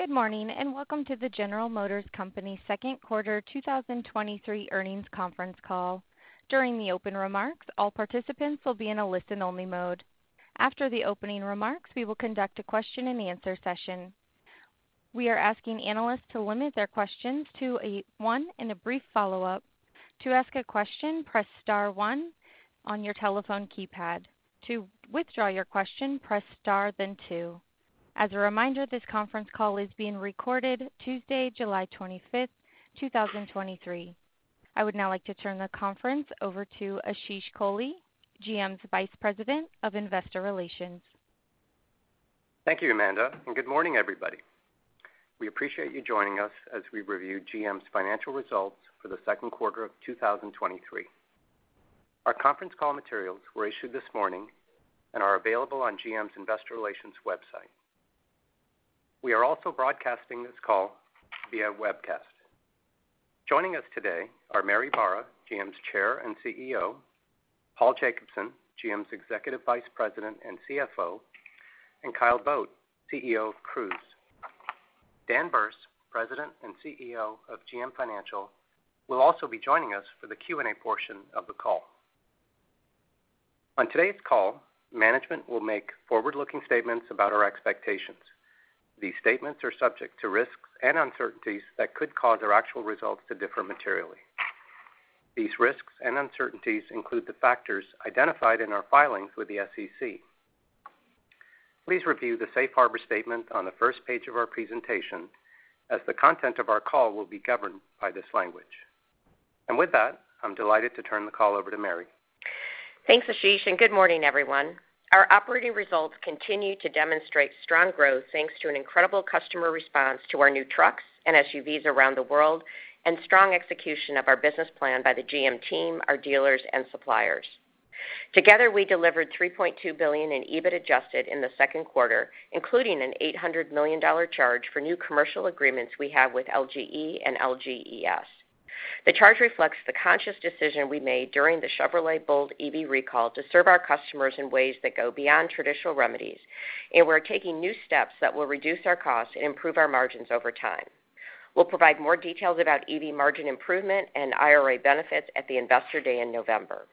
Good morning, and welcome to the General Motors Company Second Quarter 2023 Earnings Conference Call. During the open remarks, all participants will be in a listen-only mode. After the opening remarks, we will conduct a question-and-answer session. We are asking analysts to limit their questions to a one and a brief follow-up. To ask a question, press star one on your telephone keypad. To withdraw your question, press star, then two. As a reminder, this conference call is being recorded Tuesday, July 25th, 2023. I would now like to turn the conference over to Ashish Kohli, GM's Vice President of Investor Relations. Thank you, Amanda. Good morning, everybody. We appreciate you joining us as we review GM's financial results for the second quarter of 2023. Our conference call materials were issued this morning and are available on GM's Investor Relations website. We are also broadcasting this call via webcast. Joining us today are Mary Barra, GM's Chair and CEO, Paul Jacobson, GM's Executive Vice President and CFO, and Kyle Vogt, CEO of Cruise. Dan Berce, President and CEO of GM Financial, will also be joining us for the Q&A portion of the call. On today's call, management will make forward-looking statements about our expectations. These statements are subject to risks and uncertainties that could cause our actual results to differ materially. These risks and uncertainties include the factors identified in our filings with the SEC. Please review the safe harbor statement on the first page of our presentation, as the content of our call will be governed by this language. With that, I'm delighted to turn the call over to Mary. Thanks, Ashish, and good morning, everyone. Our operating results continue to demonstrate strong growth, thanks to an incredible customer response to our new trucks and SUVs around the world, and strong execution of our business plan by the GM team, our dealers, and suppliers. Together, we delivered $3.2 billion in EBIT adjusted in the second quarter, including an $800 million charge for new commercial agreements we have with LGE and LGES. The charge reflects the conscious decision we made during the Chevrolet Bolt EV recall to serve our customers in ways that go beyond traditional remedies, and we're taking new steps that will reduce our costs and improve our margins over time. We'll provide more details about EV margin improvement and IRA benefits at the Investor Day in November.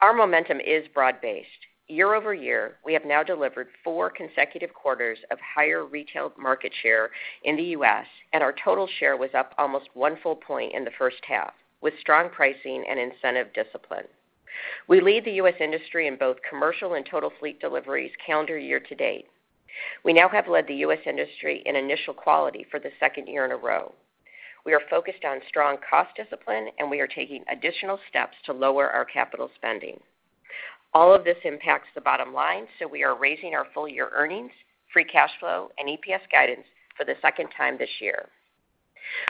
Our momentum is broad-based. Year-over-year, we have now delivered four consecutive quarters of higher retail market share in the U.S., and our total share was up almost one full point in the first half, with strong pricing and incentive discipline. We lead the U.S. industry in both commercial and total fleet deliveries calendar year-to-date. We now have led the U.S. industry in initial quality for the second year in a row. We are focused on strong cost discipline, and we are taking additional steps to lower our capital spending. All of this impacts the bottom line, so we are raising our full-year earnings, free cash flow, and EPS guidance for the second time this year.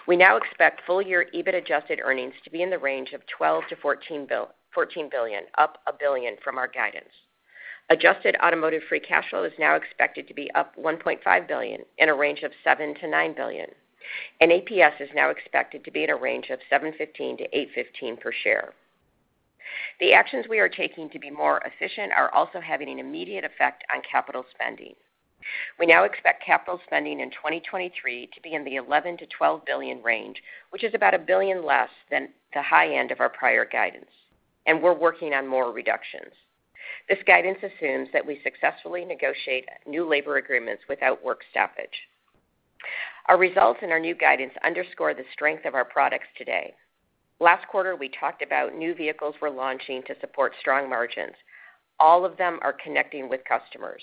We now expect full-year EBIT adjusted earnings to be in the range of $12 billion-$14 billion, up $1 billion from our guidance. Adjusted automotive free cash flow is now expected to be up $1.5 billion in a range of $7 billion-$9 billion. APS is now expected to be in a range of $7.15-$8.15 per share. The actions we are taking to be more efficient are also having an immediate effect on capital spending. We now expect capital spending in 2023 to be in the $11 billion-$12 billion range, which is about $1 billion less than the high end of our prior guidance. We're working on more reductions. This guidance assumes that we successfully negotiate new labor agreements without work stoppage. Our results and our new guidance underscore the strength of our products today. Last quarter, we talked about new vehicles we're launching to support strong margins. All of them are connecting with customers.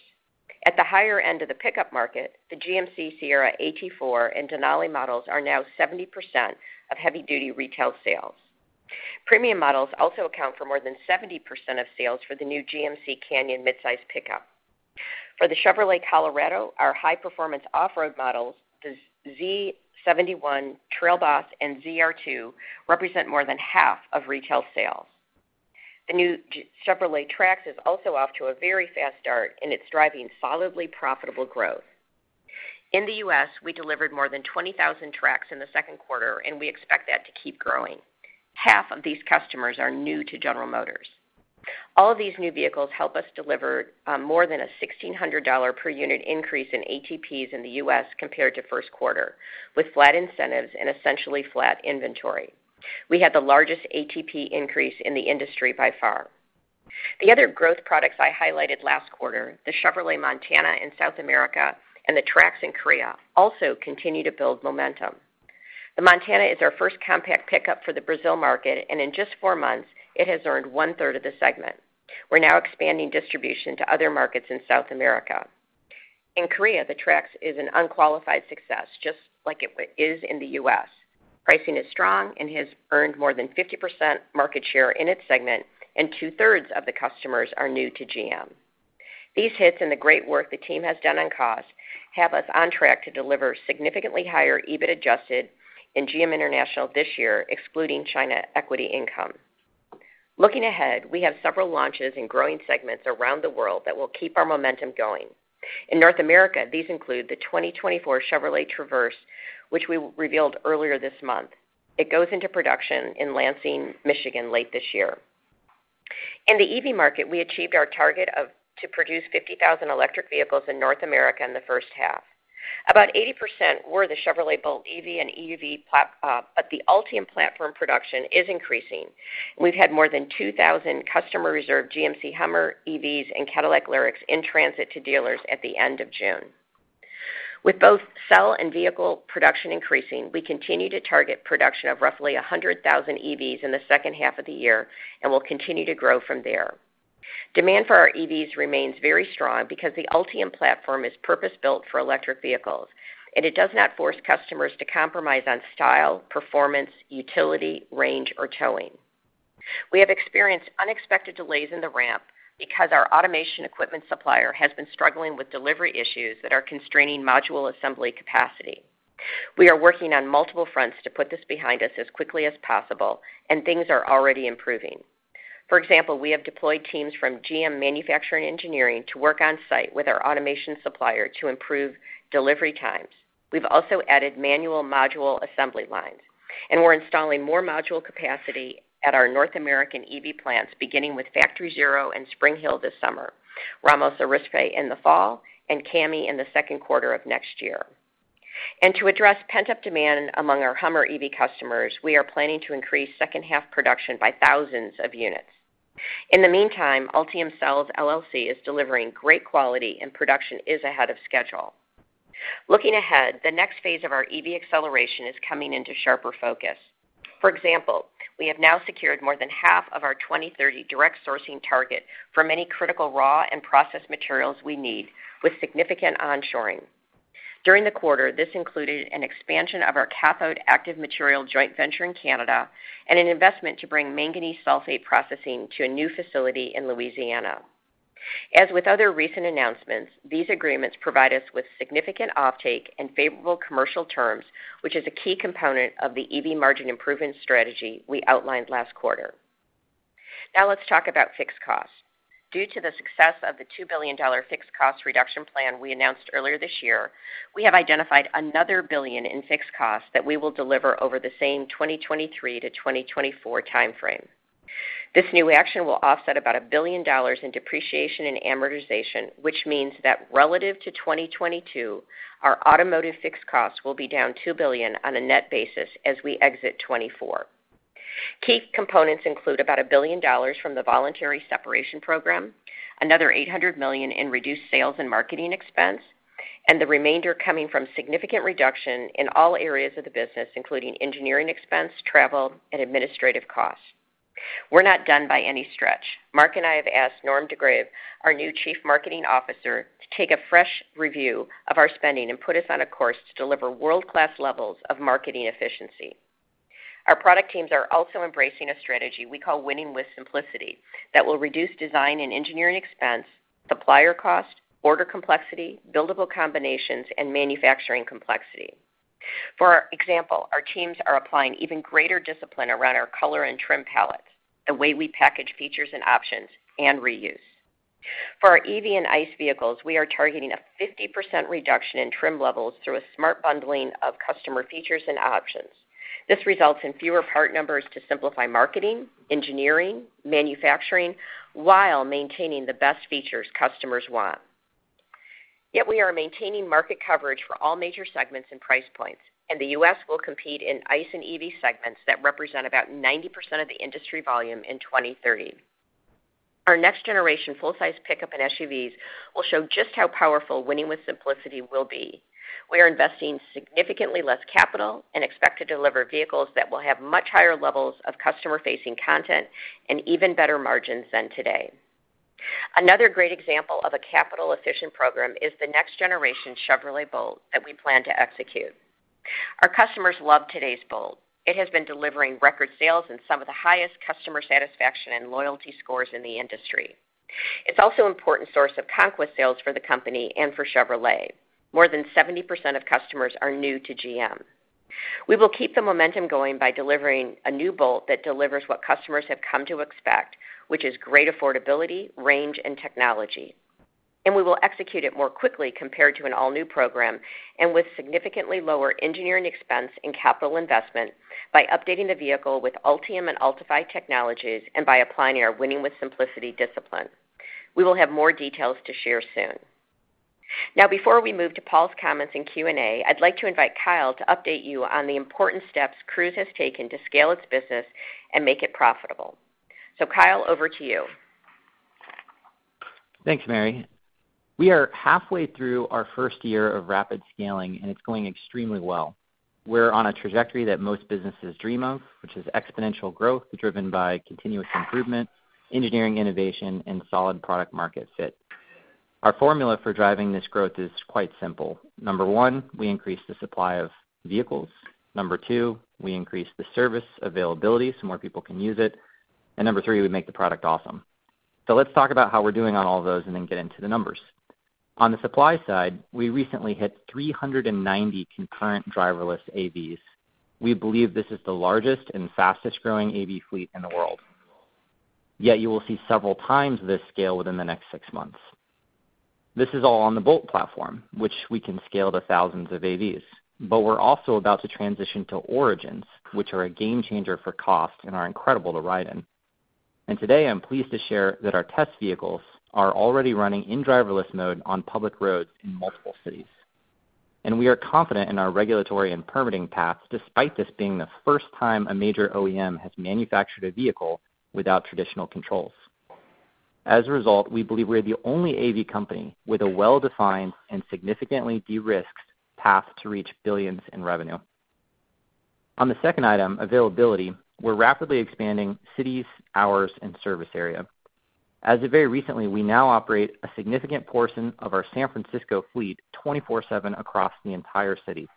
At the higher end of the pickup market, the GMC Sierra AT4 and Denali models are now 70% of heavy-duty retail sales. Premium models also account for more than 70% of sales for the new GMC Canyon midsize pickup. For the Chevrolet Colorado, our high-performance off-road models, the Z71 Trail Boss and ZR2, represent more than half of retail sales. The new Chevrolet Trax is also off to a very fast start, and it's driving solidly profitable growth. In the U.S., we delivered more than 20,000 Trax in the second quarter, and we expect that to keep growing. Half of these customers are new to General Motors. All of these new vehicles help us deliver more than a $1,600 per unit increase in ATPS in the U.S. compared to first quarter, with flat incentives and essentially flat inventory. We had the largest ATP increase in the industry by far. The other growth products I highlighted last quarter, the Chevrolet Montana in South America and the Trax in Korea, also continue to build momentum. The Montana is our first compact pickup for the Brazil market, and in just four months, it has earned 1/3 of the segment. We're now expanding distribution to other markets in South America. In Korea, the Trax is an unqualified success, just like it is in the U.S. Pricing is strong and has earned more than 50% market share in its segment, and 2/3 of the customers are new to GM. These hits and the great work the team has done on cost have us on track to deliver significantly higher EBIT adjusted in GM International this year, excluding China equity income. Looking ahead, we have several launches in growing segments around the world that will keep our momentum going. In North America, these include the 2024 Chevrolet Traverse, which we revealed earlier this month. It goes into production in Lansing, Michigan, late this year. In the EV market, we achieved our target to produce 50,000 electric vehicles in North America in the first half. About 80% were the Chevrolet Bolt EV and EUV, but the Ultium platform production is increasing. We've had more than 2,000 customer-reserved GMC Hummer EVs and Cadillac Lyriqs in transit to dealers at the end of June. With both cell and vehicle production increasing, we continue to target production of roughly 100,000 EVs in the second half of the year and will continue to grow from there. Demand for our EVs remains very strong because the Ultium platform is purpose-built for electric vehicles, and it does not force customers to compromise on style, performance, utility, range, or towing. We have experienced unexpected delays in the ramp because our automation equipment supplier has been struggling with delivery issues that are constraining module assembly capacity. We are working on multiple fronts to put this behind us as quickly as possible, and things are already improving. For example, we have deployed teams from GM Manufacturing Engineering to work on-site with our automation supplier to improve delivery times. We've also added manual module assembly lines, and we're installing more module capacity at our North American EV plants, beginning with Factory ZERO and Spring Hill this summer, Ramos Arizpe in the fall, and CAMI in the second quarter of next year. To address pent-up demand among our Hummer EV customers, we are planning to increase second half production by thousands of units. In the meantime, Ultium Cells LLC is delivering great quality, and production is ahead of schedule. Looking ahead, the next phase of our EV acceleration is coming into sharper focus. For example, we have now secured more than half of our 2030 direct sourcing target for many critical raw and processed materials we need, with significant onshoring. During the quarter, this included an expansion of our cathode active material joint venture in Canada and an investment to bring manganese sulfate processing to a new facility in Louisiana. As with other recent announcements, these agreements provide us with significant offtake and favorable commercial terms, which is a key component of the EV margin improvement strategy we outlined last quarter. Now let's talk about fixed costs. Due to the success of the $2 billion fixed cost reduction plan we announced earlier this year, we have identified another $1 billion in fixed costs that we will deliver over the same 2023-2024 time frame. This new action will offset about $1 billion in depreciation and amortization, which means that relative to 2022, our automotive fixed costs will be down $2 billion on a net basis as we exit 2024. Key components include about $1 billion from the voluntary separation program, another $800 million in reduced sales and marketing expense, and the remainder coming from significant reduction in all areas of the business, including engineering expense, travel, and administrative costs. We're not done by any stretch. Mark and I have asked Norm de Greve, our new chief marketing officer, to take a fresh review of our spending and put us on a course to deliver world-class levels of marketing efficiency. Our product teams are also embracing a strategy we call Winning with Simplicity that will reduce design and engineering expense, supplier cost, order complexity, buildable combinations, and manufacturing complexity. For example, our teams are applying even greater discipline around our color and trim palettes, the way we package features and options, and reuse. For our EV and ICE vehicles, we are targeting a 50% reduction in trim levels through a smart bundling of customer features and options. This results in fewer part numbers to simplify marketing, engineering, manufacturing, while maintaining the best features customers want. We are maintaining market coverage for all major segments and price points. The U.S. will compete in ICE and EV segments that represent about 90% of the industry volume in 2030. Our next-generation full-size pickup and SUVs will show just how powerful winning with simplicity will be. We are investing significantly less capital and expect to deliver vehicles that will have much higher levels of customer-facing content and even better margins than today. Another great example of a capital-efficient program is the next-generation Chevrolet Bolt that we plan to execute. Our customers love today's Bolt. It has been delivering record sales and some of the highest customer satisfaction and loyalty scores in the industry. It's also an important source of conquest sales for the company and for Chevrolet. More than 70% of customers are new to GM. We will keep the momentum going by delivering a new Bolt that delivers what customers have come to expect, which is great affordability, range, and technology. We will execute it more quickly compared to an all-new program and with significantly lower engineering expense and capital investment by updating the vehicle with Ultium and Ultifi technologies and by applying our Winning with Simplicity discipline. We will have more details to share soon. Before we move to Paul's comments in Q&A, I'd like to invite Kyle to update you on the important steps Cruise has taken to scale its business and make it profitable. Kyle, over to you. Thanks, Mary. We are halfway through our first year of rapid scaling, and it's going extremely well. We're on a trajectory that most businesses dream of, which is exponential growth driven by continuous improvement, engineering innovation, and solid product-market fit. Our formula for driving this growth is quite simple. Number one, we increase the supply of vehicles. Number two, we increase the service availability so more people can use it. Number three, we make the product awesome. Let's talk about how we're doing on all of those and then get into the numbers. On the supply side, we recently hit 390 concurrent driverless AVs. We believe this is the largest and fastest-growing AV fleet in the world. You will see several times this scale within the next six months. This is all on the Bolt platform, which we can scale to thousands of AVs. We're also about to transition to Origins, which are a game changer for cost and are incredible to ride in. Today, I'm pleased to share that our test vehicles are already running in driverless mode on public roads in multiple cities, and we are confident in our regulatory and permitting paths, despite this being the first time a major OEM has manufactured a vehicle without traditional controls. As a result, we believe we're the only AV company with a well-defined and significantly de-risked path to reach billions in revenue. On the second item, availability, we're rapidly expanding cities, hours, and service area. As of very recently, we now operate a significant portion of our San Francisco fleet 24/7 across the entire city.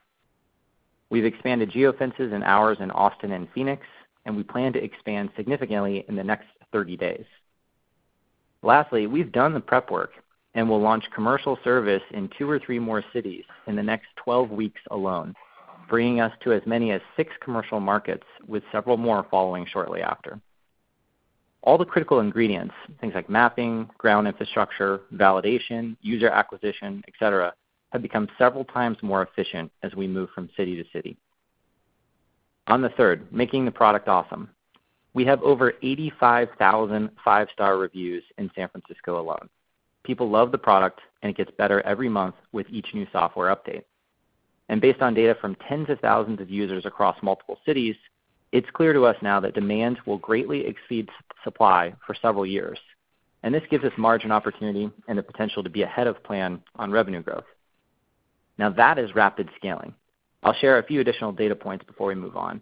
We've expanded geofences and hours in Austin and Phoenix. We plan to expand significantly in the next 30 days. Lastly, we've done the prep work, and we'll launch commercial service in two or three more cities in the next 12 weeks alone, bringing us to as many as six commercial markets, with several more following shortly after. All the critical ingredients, things like mapping, ground infrastructure, validation, user acquisition, etc., have become several times more efficient as we move from city to city. On the third, making the product awesome. We have over 85,000 five-star reviews in San Francisco alone. People love the product, and it gets better every month with each new software update. Based on data from tens of thousands of users across multiple cities, it's clear to us now that demand will greatly exceed supply for several years, and this gives us margin opportunity and the potential to be ahead of plan on revenue growth. Now, that is rapid scaling. I'll share a few additional data points before we move on.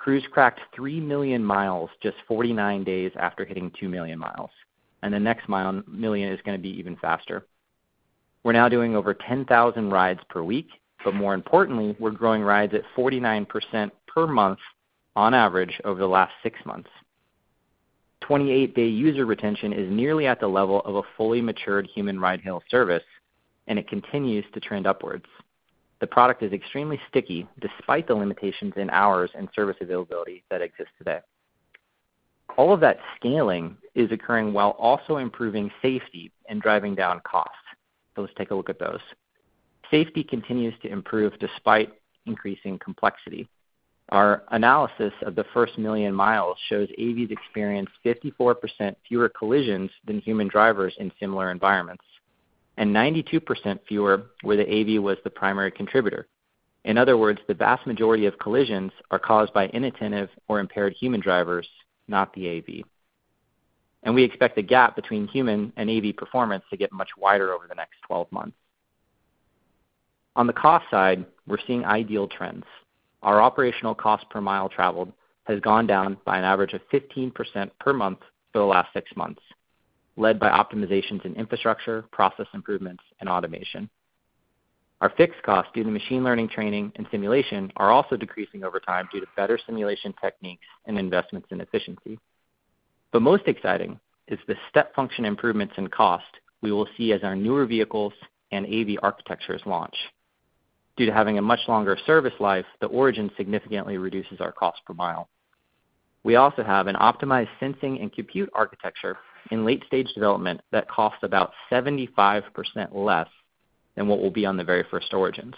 Cruise cracked 3 million mi just 49 days after hitting 2 million mi. The next million is going to be even faster. We're now doing over 10,000 rides per week. More importantly, we're growing rides at 49% per month on average over the last six months. 28-day user retention is nearly at the level of a fully matured human ride-hail service. It continues to trend upwards. The product is extremely sticky, despite the limitations in hours and service availability that exist today. All of that scaling is occurring while also improving safety and driving down costs. Let's take a look at those. Safety continues to improve despite increasing complexity. Our analysis of the first million miles shows AVs experienced 54% fewer collisions than human drivers in similar environments, and 92% fewer where the AV was the primary contributor. In other words, the vast majority of collisions are caused by inattentive or impaired human drivers, not the AV. We expect the gap between human and AV performance to get much wider over the next 12 months. On the cost side, we're seeing ideal trends. Our operational cost per mile traveled has gone down by an average of 15% per month for the last six months, led by optimizations in infrastructure, process improvements, and automation. Our fixed costs due to machine learning, training, and simulation are also decreasing over time due to better simulation techniques and investments in efficiency. Most exciting is the step function improvements in cost we will see as our newer vehicles and AV architectures launch. Due to having a much longer service life, the Origin significantly reduces our cost per mile. We also have an optimized sensing and compute architecture in late-stage development that costs about 75% less than what will be on the very first Origins.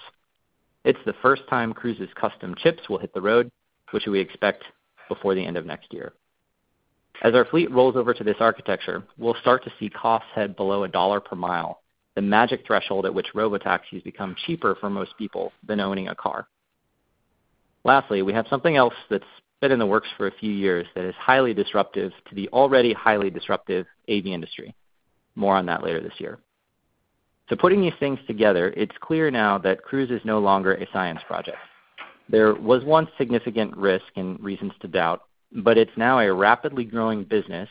It's the first time Cruise's custom chips will hit the road, which we expect before the end of next year. As our fleet rolls over to this architecture, we'll start to see costs head below $1 per mile, the magic threshold at which Robotaxis become cheaper for most people than owning a car. Lastly, we have something else that's been in the works for a few years that is highly disruptive to the already highly disruptive AV industry. More on that later this year. Putting these things together, it's clear now that Cruise is no longer a science project. There was once significant risk and reasons to doubt, but it's now a rapidly growing business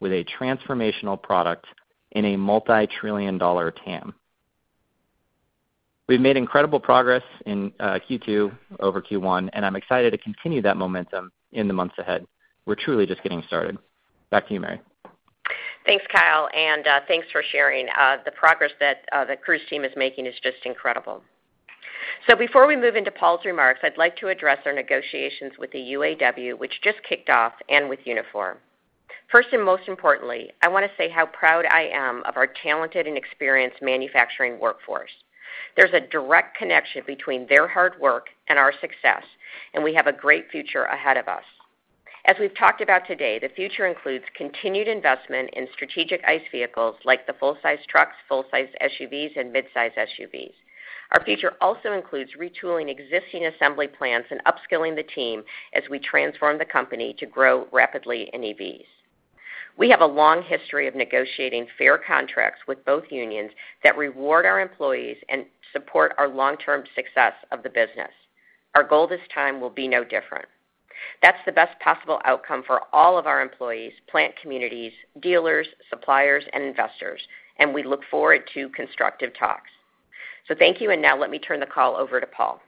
with a transformational product in a multi-trillion dollar TAM. We've made incredible progress in Q2 over Q1, and I'm excited to continue that momentum in the months ahead. We're truly just getting started. Back to you, Mary. Thanks, Kyle, and thanks for sharing. The progress that the Cruise team is making is just incredible. Before we move into Paul's remarks, I'd like to address our negotiations with the UAW, which just kicked off, and with Unifor. First, and most importantly, I want to say how proud I am of our talented and experienced manufacturing workforce. There's a direct connection between their hard work and our success, and we have a great future ahead of us. As we've talked about today, the future includes continued investment in strategic ICE vehicles like the full-size trucks, full-size SUVs, and midsize SUVs. Our future also includes retooling existing assembly plants and upskilling the team as we transform the company to grow rapidly in EVs. We have a long history of negotiating fair contracts with both unions that reward our employees and support our long-term success of the business. Our goal this time will be no different. That's the best possible outcome for all of our employees, plant communities, dealers, suppliers, and investors. We look forward to constructive talks. Thank you, and now let me turn the call over to Paul.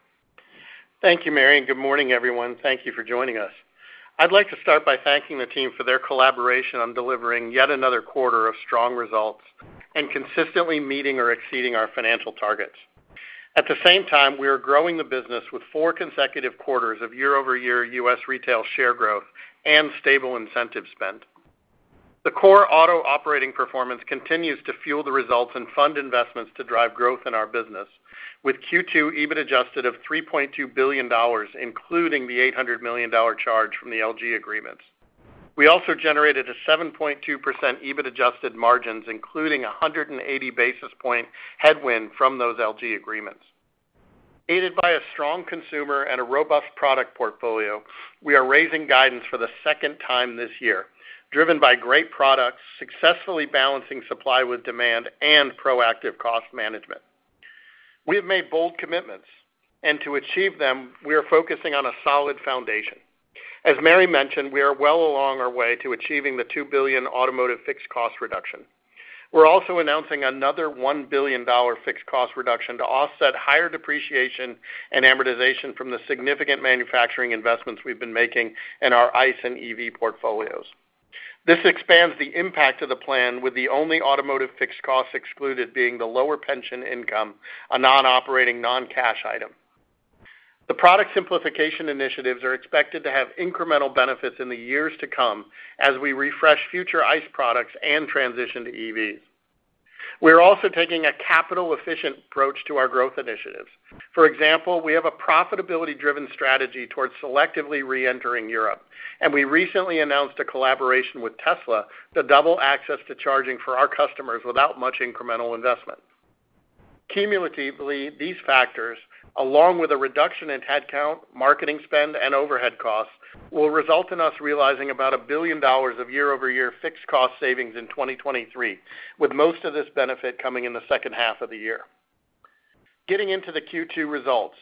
Thank you, Mary, and good morning, everyone. Thank you for joining us. I'd like to start by thanking the team for their collaboration on delivering yet another quarter of strong results and consistently meeting or exceeding our financial targets. At the same time, we are growing the business with four consecutive quarters of year-over-year U.S. retail share growth and stable incentive spend. The core auto operating performance continues to fuel the results and fund investments to drive growth in our business, with Q2 EBIT adjusted of $3.2 billion, including the $800 million charge from the LG agreements. We also generated a 7.2% EBIT adjusted margins, including a 180 basis point headwind from those LG agreements. Aided by a strong consumer and a robust product portfolio, we are raising guidance for the second time this year, driven by great products, successfully balancing supply with demand, and proactive cost management. We have made bold commitments. To achieve them, we are focusing on a solid foundation. As Mary mentioned, we are well along our way to achieving the $2 billion automotive fixed cost reduction. We're also announcing another $1 billion fixed cost reduction to offset higher depreciation and amortization from the significant manufacturing investments we've been making in our ICE and EV portfolios. This expands the impact of the plan, with the only automotive fixed costs excluded being the lower pension income, a non-operating, non-cash item. The product simplification initiatives are expected to have incremental benefits in the years to come as we refresh future ICE products and transition to EVs. We're also taking a capital-efficient approach to our growth initiatives. For example, we have a profitability-driven strategy towards selectively reentering Europe, and we recently announced a collaboration with Tesla to double access to charging for our customers without much incremental investment. Cumulatively, these factors, along with a reduction in headcount, marketing spend, and overhead costs, will result in us realizing about $1 billion of year-over-year fixed cost savings in 2023, with most of this benefit coming in the second half of the year. Getting into the Q2 results,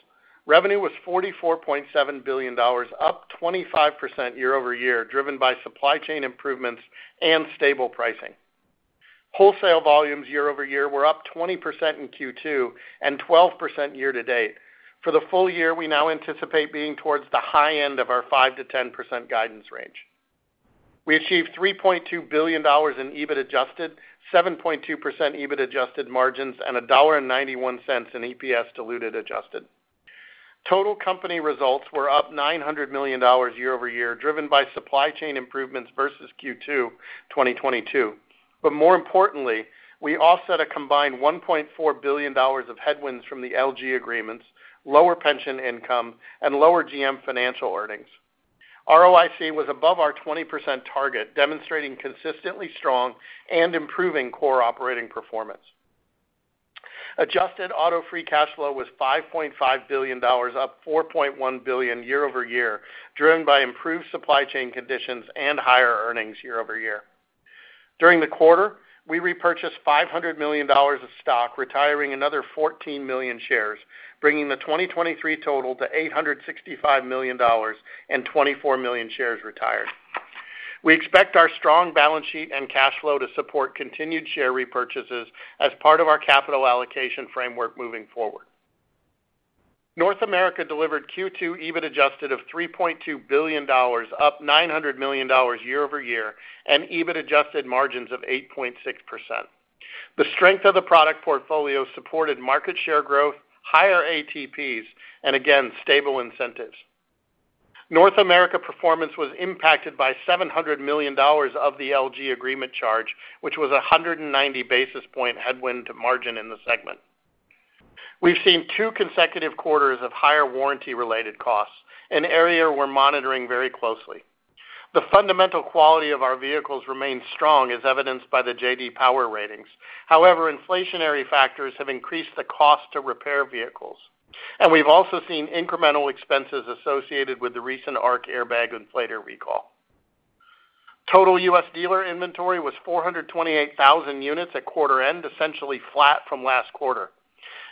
revenue was $44.7 billion, up 25% year-over-year, driven by supply chain improvements and stable pricing. Wholesale volumes year-over-year were up 20% in Q2 and 12% year-to-date. For the full year, we now anticipate being towards the high end of our 5%-10% guidance range. We achieved $3.2 billion in EBIT adjusted, 7.2% EBIT adjusted margins, and $1.91 in EPS diluted adjusted. Total company results were up $900 million year-over-year, driven by supply chain improvements versus Q2 2022. More importantly, we offset a combined $1.4 billion of headwinds from the LG agreements, lower pension income, and lower GM Financial earnings. ROIC was above our 20% target, demonstrating consistently strong and improving core operating performance. Adjusted auto free cash flow was $5.5 billion, up $4.1 billion year-over-year, driven by improved supply chain conditions and higher earnings year-over-year. During the quarter, we repurchased $500 million of stock, retiring another 14 million shares, bringing the 2023 total to $865 million and 24 million shares retired. We expect our strong balance sheet and cash flow to support continued share repurchases as part of our capital allocation framework moving forward. North America delivered Q2 EBIT adjusted of $3.2 billion, up $900 million year-over-year, and EBIT adjusted margins of 8.6%. The strength of the product portfolio supported market share growth, higher ATPs, and again, stable incentives. North America performance was impacted by $700 million of the LG agreement charge, which was 190 basis point headwind to margin in the segment. We've seen two consecutive quarters of higher warranty-related costs, an area we're monitoring very closely. The fundamental quality of our vehicles remains strong, as evidenced by the J.D. Power ratings. However, inflationary factors have increased the cost to repair vehicles, and we've also seen incremental expenses associated with the recent ARC airbag inflator recall. Total U.S. dealer inventory was 428,000 units at quarter end, essentially flat from last quarter.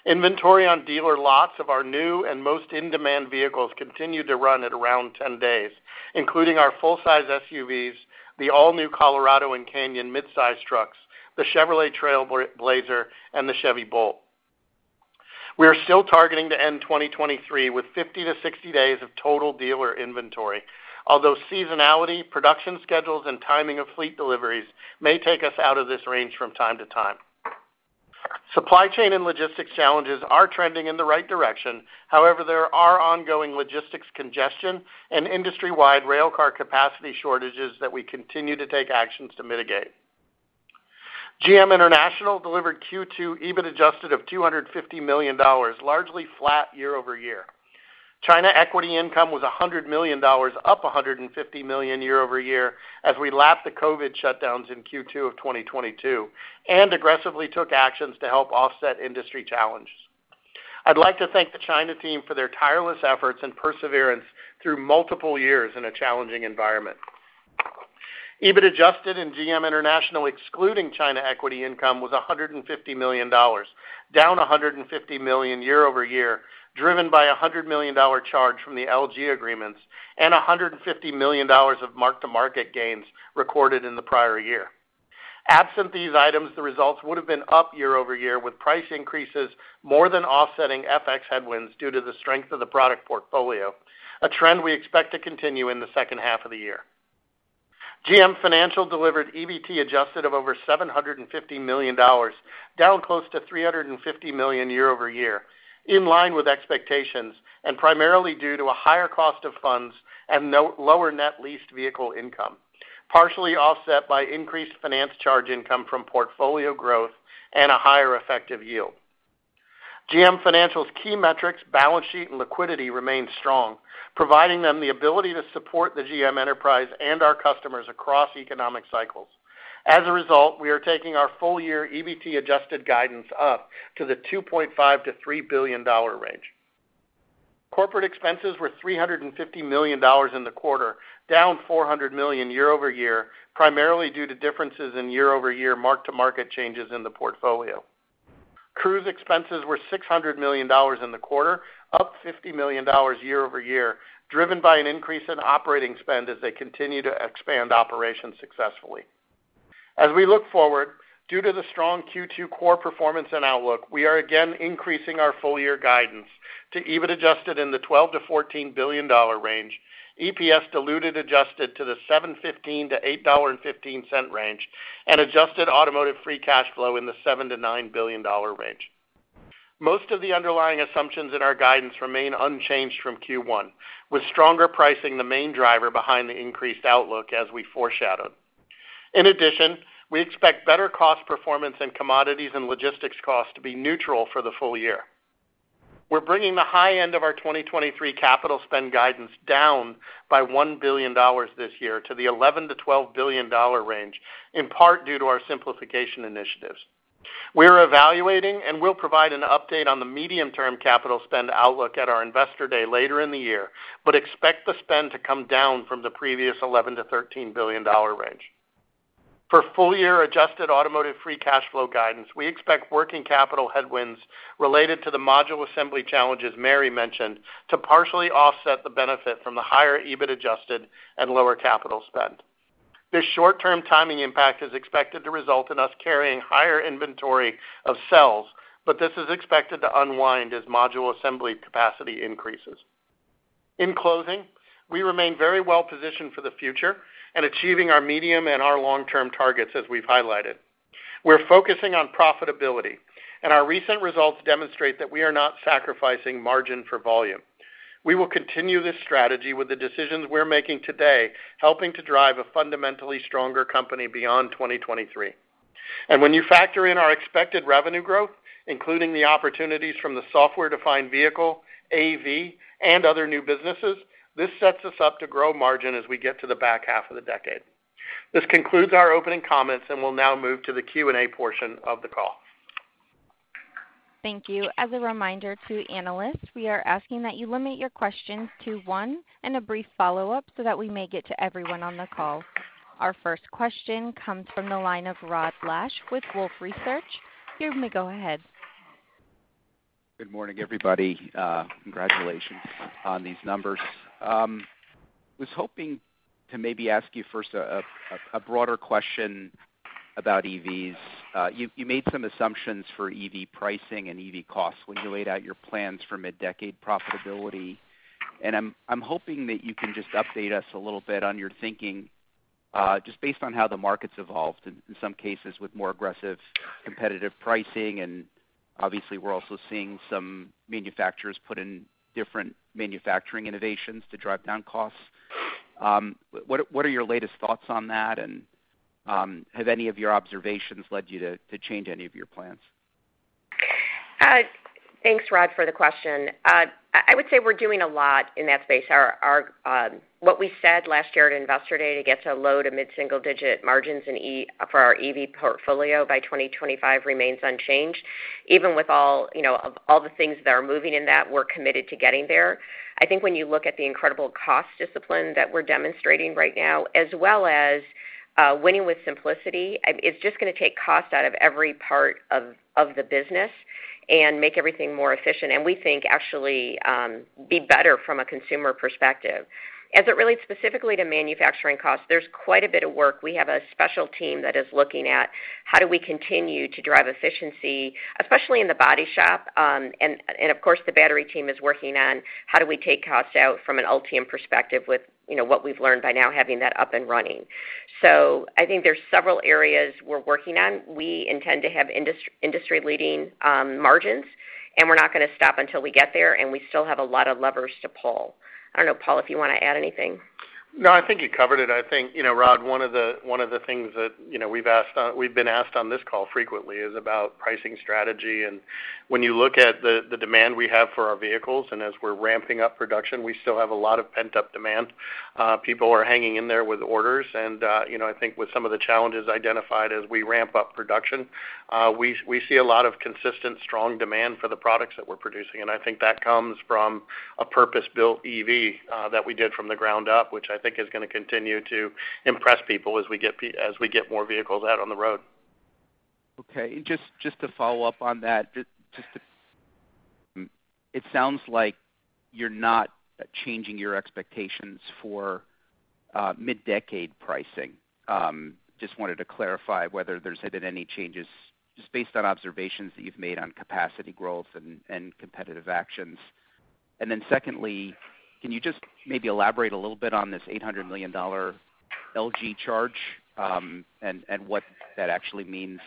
Inventory on dealer lots of our new and most in-demand vehicles continued to run at around 10 days, including our full-size SUVs, the all-new Colorado and Canyon midsize trucks, the Chevrolet Trailblazer, and the Chevy Bolt. We are still targeting to end 2023 with 50-60 days of total dealer inventory, although seasonality, production schedules, and timing of fleet deliveries may take us out of this range from time to time. Supply chain and logistics challenges are trending in the right direction. However, there are ongoing logistics congestion and industry-wide rail car capacity shortages that we continue to take actions to mitigate. GM International delivered Q2 EBIT adjusted of $250 million, largely flat year-over-year. China equity income was $100 million, up $150 million year-over-year, as we lapped the COVID shutdowns in Q2 of 2022 and aggressively took actions to help offset industry challenges. I'd like to thank the China team for their tireless efforts and perseverance through multiple years in a challenging environment. EBIT adjusted in GM International, excluding China equity income, was $150 million, down $150 million year-over-year, driven by a $100 million charge from the LG agreements and $150 million of mark-to-market gains recorded in the prior year. Absent these items, the results would have been up year-over-year, with price increases more than offsetting FX headwinds due to the strength of the product portfolio, a trend we expect to continue in the second half of the year. GM Financial delivered EBT adjusted of over $750 million, down close to $350 million year-over-year, in line with expectations, and primarily due to a higher cost of funds and lower net leased vehicle income, partially offset by increased finance charge income from portfolio growth and a higher effective yield. GM Financial's key metrics, balance sheet, and liquidity remain strong, providing them the ability to support the GM enterprise and our customers across economic cycles. As a result, we are taking our full year EBT adjusted guidance up to the $2.5 billion-$3 billion range. Corporate expenses were $350 million in the quarter, down $400 million year-over-year, primarily due to differences in year-over-year mark-to-market changes in the portfolio. Cruise expenses were $600 million in the quarter, up $50 million year-over-year, driven by an increase in operating spend as they continue to expand operations successfully. As we look forward, due to the strong Q2 core performance and outlook, we are again increasing our full year guidance to EBIT adjusted in the $12 billion-$14 billion range, EPS diluted adjusted to the $7.15-$8.15 range, and adjusted automotive free cash flow in the $7 billion-$9 billion range. Most of the underlying assumptions in our guidance remain unchanged from Q1, with stronger pricing the main driver behind the increased outlook as we foreshadowed. In addition, we expect better cost performance and commodities and logistics costs to be neutral for the full year. We're bringing the high end of our 2023 capital spend guidance down by $1 billion this year to the $11 billion-$12 billion range, in part due to our simplification initiatives. We're evaluating and we'll provide an update on the medium-term capital spend outlook at our Investor Day later in the year, but expect the spend to come down from the previous $11 billion-$13 billion range. For full year adjusted automotive free cash flow guidance, we expect working capital headwinds related to the module assembly challenges Mary mentioned, to partially offset the benefit from the higher EBIT adjusted and lower capital spend. This short-term timing impact is expected to result in us carrying higher inventory of cells, but this is expected to unwind as module assembly capacity increases. In closing, we remain very well positioned for the future and achieving our medium and our long-term targets, as we've highlighted. We're focusing on profitability. Our recent results demonstrate that we are not sacrificing margin for volume. We will continue this strategy with the decisions we're making today, helping to drive a fundamentally stronger company beyond 2023. When you factor in our expected revenue growth, including the opportunities from the software-defined vehicle, AV, and other new businesses, this sets us up to grow margin as we get to the back half of the decade. This concludes our opening comments. We'll now move to the Q&A portion of the call. Thank you. As a reminder to analysts, we are asking that you limit your questions to one and a brief follow-up so that we may get to everyone on the call. Our first question comes from the line of Rod Lache with Wolfe Research. You may go ahead. Good morning, everybody. Congratulations on these numbers. I'm hoping to maybe ask you first a broader question about EVs. You made some assumptions for EV pricing and EV costs when you laid out your plans for mid-decade profitability. I'm hoping that you can just update us a little bit on your thinking, just based on how the market's evolved, in some cases, with more aggressive competitive pricing, and obviously, we're also seeing some manufacturers put in different manufacturing innovations to drive down costs. What are your latest thoughts on that? Have any of your observations led you to change any of your plans? Thanks, Rod, for the question. I would say we're doing a lot in that space. Our, what we said last year at Investor Day, to get to low to mid-single digit margins for our EV portfolio by 2025 remains unchanged. Even with all, you know, of all the things that are moving in that, we're committed to getting there. I think when you look at the incredible cost discipline that we're demonstrating right now, as well as, winning with simplicity, it's just gonna take cost out of every part of the business and make everything more efficient, and we think, actually, be better from a consumer perspective. As it relates specifically to manufacturing costs, there's quite a bit of work. We have a special team that is looking at how do we continue to drive efficiency, especially in the body shop. Of course, the battery team is working on how do we take costs out from an Ultium perspective with, you know, what we've learned by now having that up and running. I think there's several areas we're working on. We intend to have industry-leading margins, and we're not gonna stop until we get there, and we still have a lot of levers to pull. I don't know, Paul, if you want to add anything. No, I think you covered it. I think, you know, Rod, one of the things that, you know, we've been asked on this call frequently is about pricing strategy. When you look at the demand we have for our vehicles, and as we're ramping up production, we still have a lot of pent-up demand. People are hanging in there with orders, and, you know, I think with some of the challenges identified as we ramp up production, we see a lot of consistent, strong demand for the products that we're producing. I think that comes from a purpose-built EV that we did from the ground up, which I think is gonna continue to impress people as we get more vehicles out on the road. Okay. Just to follow up on that. It sounds like you're not changing your expectations for mid-decade pricing. Just wanted to clarify whether there's been any changes, just based on observations that you've made on capacity growth and competitive actions? Then secondly, can you just maybe elaborate a little bit on this $800 million LG charge, and what that actually means?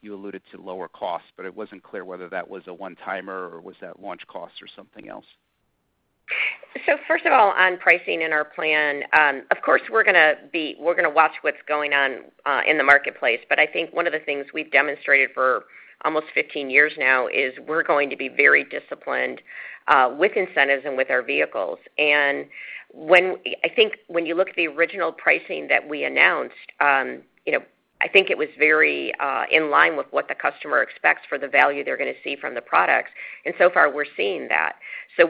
You alluded to lower costs, but it wasn't clear whether that was a one-timer or was that launch costs or something else. First of all, on pricing in our plan, of course, we're gonna watch what's going on in the marketplace, but I think one of the things we've demonstrated for almost 15 years now is we're going to be very disciplined with incentives and with our vehicles. I think when you look at the original pricing that we announced, you know, I think it was very in line with what the customer expects for the value they're gonna see from the products. So far, we're seeing that.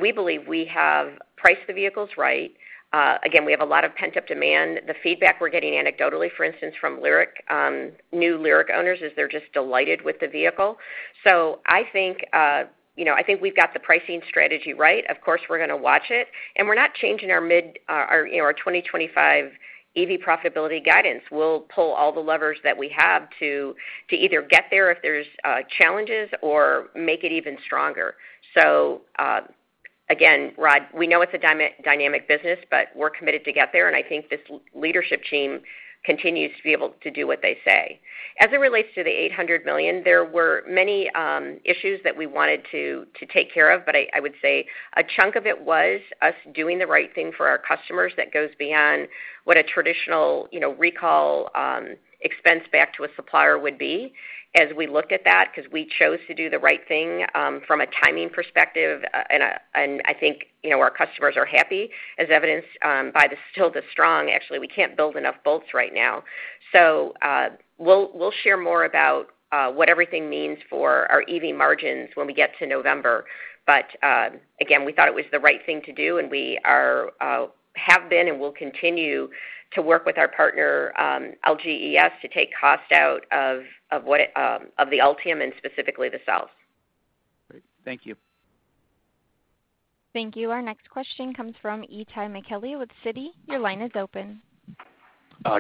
We believe we have priced the vehicles right. Again, we have a lot of pent-up demand. The feedback we're getting anecdotally, for instance, from Lyriq, new Lyriq owners, is they're just delighted with the vehicle. I think, you know, I think we've got the pricing strategy right. Of course, we're gonna watch it, and we're not changing our, you know, our 2025 EV profitability guidance. We'll pull all the levers that we have to either get there if there's challenges or make it even stronger. Again, Rod, we know it's a dynamic business, but we're committed to get there, and I think this leadership team continues to be able to do what they say. As it relates to the $800 million, there were many issues that we wanted to take care of, I would say a chunk of it was us doing the right thing for our customers that goes beyond what a traditional, you know, recall expense back to a supplier would be as we looked at that, because we chose to do the right thing from a timing perspective. I think, you know, our customers are happy, as evidenced by the still the strong. Actually, we can't build enough Bolts right now. We'll, we'll share more about what everything means for our EV margins when we get to November. Again, we thought it was the right thing to do, and we are. have been and will continue to work with our partner, LGES, to take cost out of what, of the Ultium and specifically the cells. Great. Thank you. Thank you. Our next question comes from Itay Michaeli with Citi. Your line is open.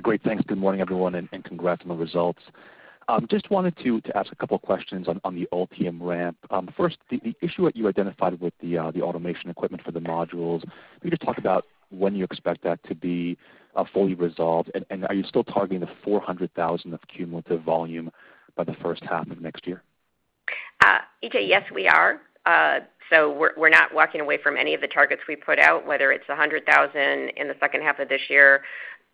Great, thanks. Good morning, everyone, and congrats on the results. Just wanted to ask a couple questions on the Ultium ramp. First, the issue that you identified with the automation equipment for the modules, can you just talk about when you expect that to be fully resolved, and are you still targeting the 400,000 of cumulative volume by the first half of next year? Itay, yes, we are. We're not walking away from any of the targets we put out, whether it's 100,000 in the second half of this year,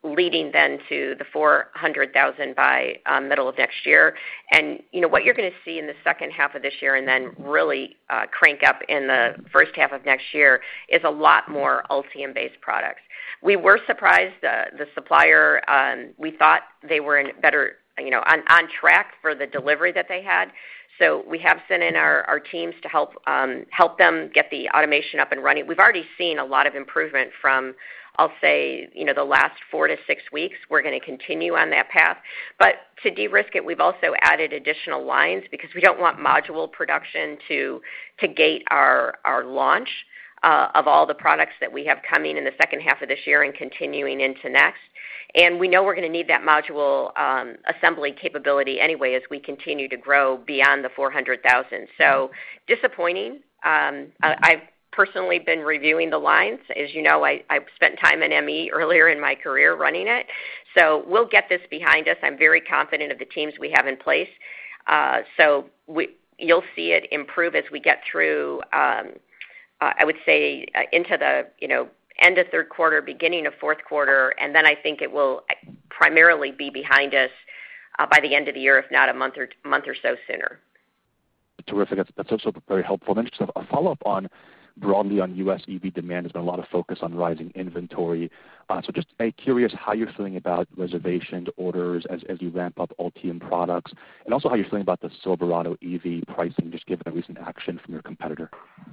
leading then to the 400,000 by middle of next year. You know, what you're gonna see in the second half of this year and then really crank up in the first half of next year is a lot more Ultium-based products. We were surprised, the supplier, we thought they were in better, you know, on track for the delivery that they had. We have sent in our teams to help them get the automation up and running. We've already seen a lot of improvement from, I'll say, you know, the last 4-6 weeks. We're gonna continue on that path. To de-risk it, we've also added additional lines because we don't want module production to gate our launch of all the products that we have coming in the second half of this year and continuing into next. We know we're gonna need that module assembly capability anyway as we continue to grow beyond the 400,000. Disappointing. I've personally been reviewing the lines. As you know, I spent time in ME earlier in my career running it. We'll get this behind us. I'm very confident of the teams we have in place. You'll see it improve as we get through, I would say, into the, you know, end of third quarter, beginning of fourth quarter, and then I think it will primarily be behind us by the end of the year, if not a month or so sooner. Terrific. That's also very helpful. Then just a follow-up on, broadly on U.S. EV demand, there's been a lot of focus on rising inventory. Just curious how you're feeling about reservations, orders as you ramp up Ultium products, and also how you're feeling about the Silverado EV pricing, just given the recent action from your competitor. Yeah.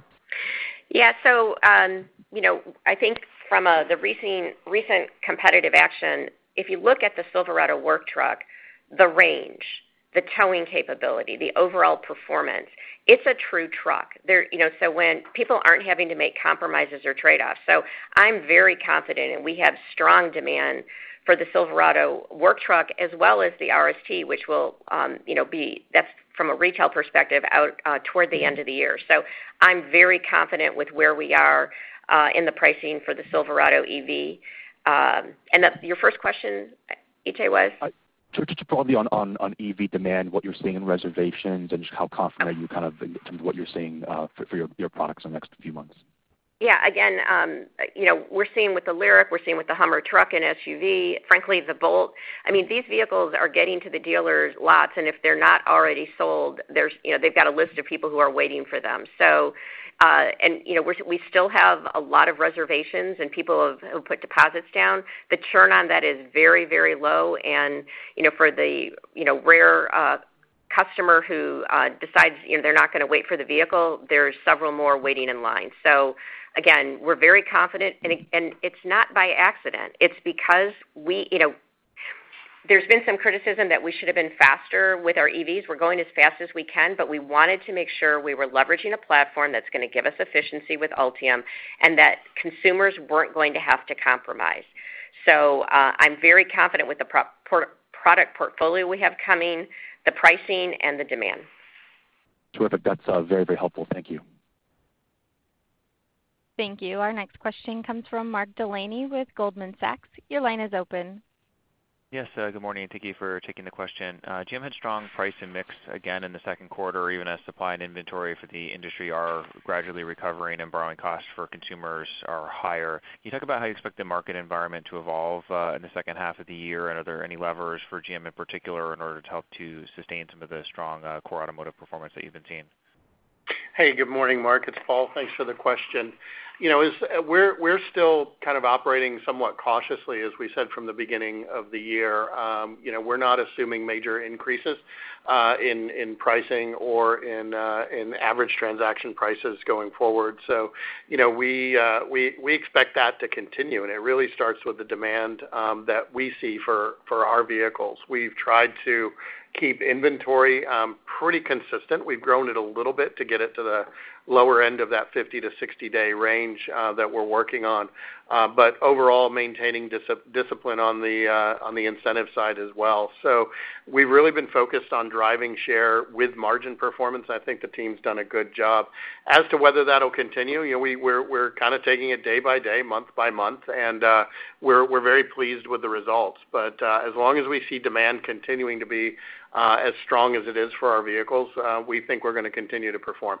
You know, I think from a recent competitive action, if you look at the Silverado work truck, the range, the towing capability, the overall performance, it's a true truck. There, you know, so when people aren't having to make compromises or trade-offs. I'm very confident, and we have strong demand for the Silverado work truck, as well as the RST, which will, you know, That's from a retail perspective, out toward the end of the year. I'm very confident with where we are in the pricing for the Silverado EV. Your first question, Itay, was? Just broadly on EV demand, what you're seeing in reservations and just how confident are you kind of in terms of what you're seeing, for your products in the next few months? Again, you know, we're seeing with the Lyriq, we're seeing with the Hummer truck and SUV, frankly, the Bolt. I mean, these vehicles are getting to the dealers' lots, and if they're not already sold, there's, you know, they've got a list of people who are waiting for them. And, you know, we still have a lot of reservations and people have, who put deposits down. The churn on that is very, very low, and, you know, for the, you know, rare customer who decides, you know, they're not gonna wait for the vehicle, there are several more waiting in line. Again, we're very confident, and it's not by accident. It's because we. You know, there's been some criticism that we should have been faster with our EVs. We're going as fast as we can, but we wanted to make sure we were leveraging a platform that's gonna give us efficiency with Ultium and that consumers weren't going to have to compromise. I'm very confident with the product portfolio we have coming, the pricing and the demand. Terrific. That's very helpful. Thank you. Thank you. Our next question comes from Mark Delaney with Goldman Sachs. Your line is open. Yes, good morning. Thank you for taking the question. GM had strong price and mix again in the second quarter, even as supply and inventory for the industry are gradually recovering and borrowing costs for consumers are higher. Can you talk about how you expect the market environment to evolve, in the second half of the year? Are there any levers for GM in particular in order to help to sustain some of the strong, core automotive performance that you've been seeing? Hey, good morning, Mark. It's Paul. Thanks for the question. You know, we're still kind of operating somewhat cautiously, as we said from the beginning of the year. You know, we're not assuming major increases in pricing or in average transaction prices going forward. You know, we expect that to continue, and it really starts with the demand that we see for our vehicles. We've tried to keep inventory pretty consistent. We've grown it a little bit to get it to the lower end of that 50-60 day range that we're working on. Overall, maintaining discipline on the incentive side as well. We've really been focused on driving share with margin performance. I think the team's done a good job. As to whether that'll continue, you know, we're kind of taking it day by day, month by month, and, we're very pleased with the results. As long as we see demand continuing to be, as strong as it is for our vehicles, we think we're going to continue to perform.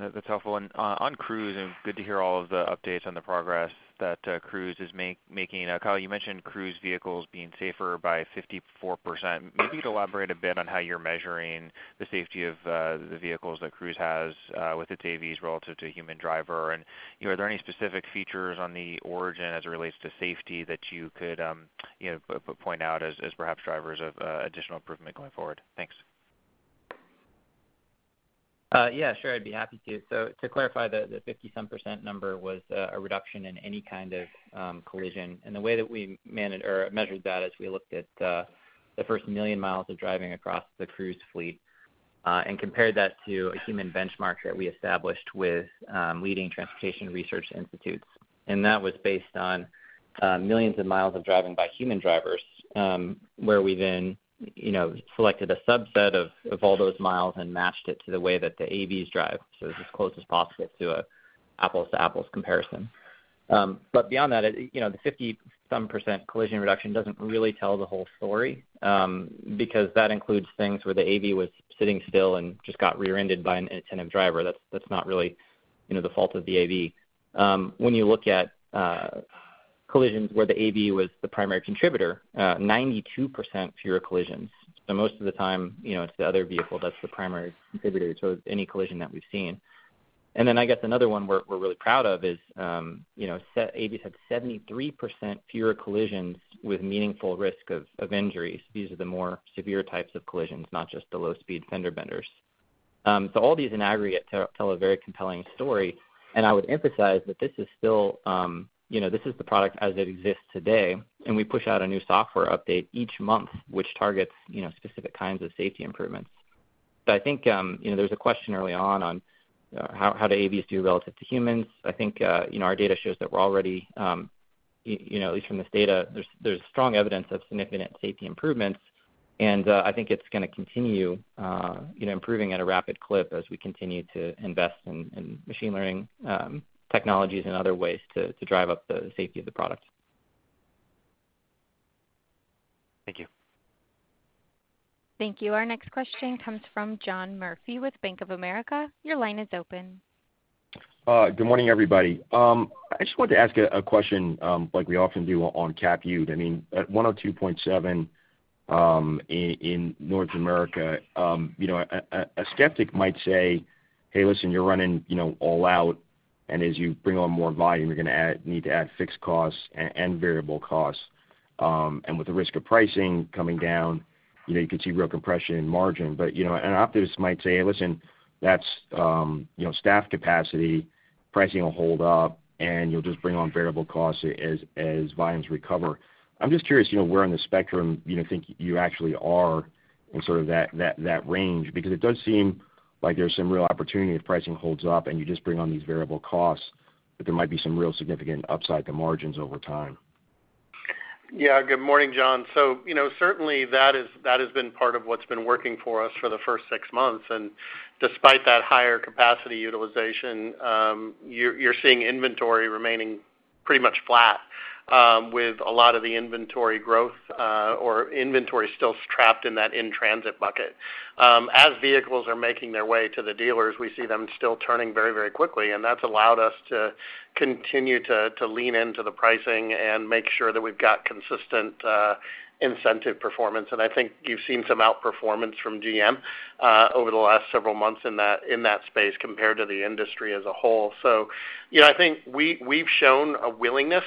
That's helpful. On Cruise, and good to hear all of the updates on the progress that Cruise is making. Kyle, you mentioned Cruise vehicles being safer by 54%. Maybe elaborate a bit on how you're measuring the safety of the vehicles that Cruise has with its AVs relative to a human driver. You know, are there any specific features on the Origin as it relates to safety that you could, you know, point out as perhaps drivers of additional improvement going forward? Thanks. Yeah, sure, I'd be happy to. To clarify, the 50-some percent number was a reduction in any kind of collision. The way that we managed or measured that is we looked at the 1 million mi of driving across the Cruise fleet and compared that to a human benchmark that we established with leading transportation research institutes. That was based on millions of miles of driving by human drivers, where we then, you know, selected a subset of all those miles and matched it to the way that the AVs drive, so as close as possible to a apples-to-apples comparison. Beyond that, it, you know, the 50-some percent collision reduction doesn't really tell the whole story because that includes things where the AV was sitting still and just got rear-ended by an attentive driver. That's not really, you know, the fault of the AV. When you look at collisions where the AV was the primary contributor, 92% fewer collisions. Most of the time, you know, it's the other vehicle that's the primary contributor to any collision that we've seen. I guess another one we're really proud of is, you know, AVs had 73% fewer collisions with meaningful risk of injuries. These are the more severe types of collisions, not just the low-speed fender benders. All these in aggregate tell a very compelling story, and I would emphasize that this is still, you know, this is the product as it exists today, and we push out a new software update each month, which targets, you know, specific kinds of safety improvements. I think, you know, there was a question early on, how do AVs do relative to humans? I think, you know, our data shows that we're already, you know, at least from this data, there's strong evidence of significant safety improvements, and, I think it's going to continue, you know, improving at a rapid clip as we continue to invest in machine learning, technologies and other ways to drive up the safety of the product. Thank you. Thank you. Our next question comes from John Murphy with Bank of America. Your line is open. Good morning, everybody. I just wanted to ask a question, like we often do on cap ute. I mean, at 102.7 in North America, you know, a skeptic might say, "Hey, listen, you're running, you know, all out, and as you bring on more volume, you're going to need to add fixed costs and variable costs. And with the risk of pricing coming down, you know, you could see real compression in margin." You know, an optimist might say, "Listen, that's, you know, staff capacity, pricing will hold up, and you'll just bring on variable costs as volumes recover." I'm just curious, you know, where on the spectrum, you know, think you actually are in sort of that range? It does seem like there's some real opportunity if pricing holds up and you just bring on these variable costs, that there might be some real significant upside to margins over time. Yeah. Good morning, John. You know, certainly that has been part of what's been working for us for the first six months, and despite that higher capacity utilization, you're seeing inventory remaining pretty much flat, with a lot of the inventory growth, or inventory still trapped in that in-transit bucket. As vehicles are making their way to the dealers, we see them still turning very quickly, and that's allowed us to continue to lean into the pricing and make sure that we've got consistent incentive performance. I think you've seen some outperformance from GM over the last several months in that space, compared to the industry as a whole. You know, I think we've shown a willingness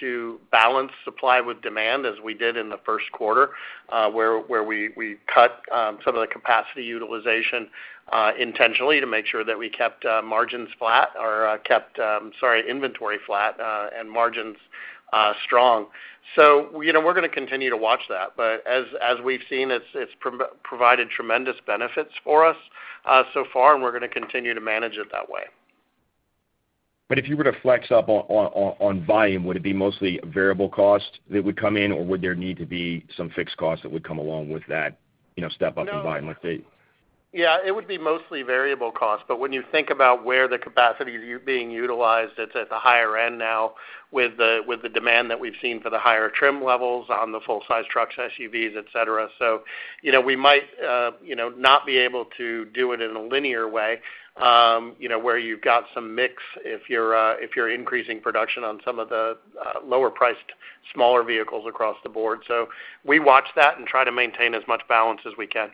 to balance supply with demand, as we did in the first quarter, where we cut some of the capacity utilization intentionally to make sure that we kept margins flat or kept inventory flat and margins strong. You know, we're going to continue to watch that. As we've seen, it's provided tremendous benefits for us so far, and we're going to continue to manage it that way. If you were to flex up on volume, would it be mostly variable cost that would come in, or would there need to be some fixed costs that would come along with that, you know, step up in volume? Yeah, it would be mostly variable costs, but when you think about where the capacity is being utilized, it's at the higher end now with the, with the demand that we've seen for the higher trim levels on the full-size trucks, SUVs, etc. You know, we might, you know, not be able to do it in a linear way, you know, where you've got some mix if you're, if you're increasing production on some of the, lower-priced, smaller vehicles across the board. We watch that and try to maintain as much balance as we can.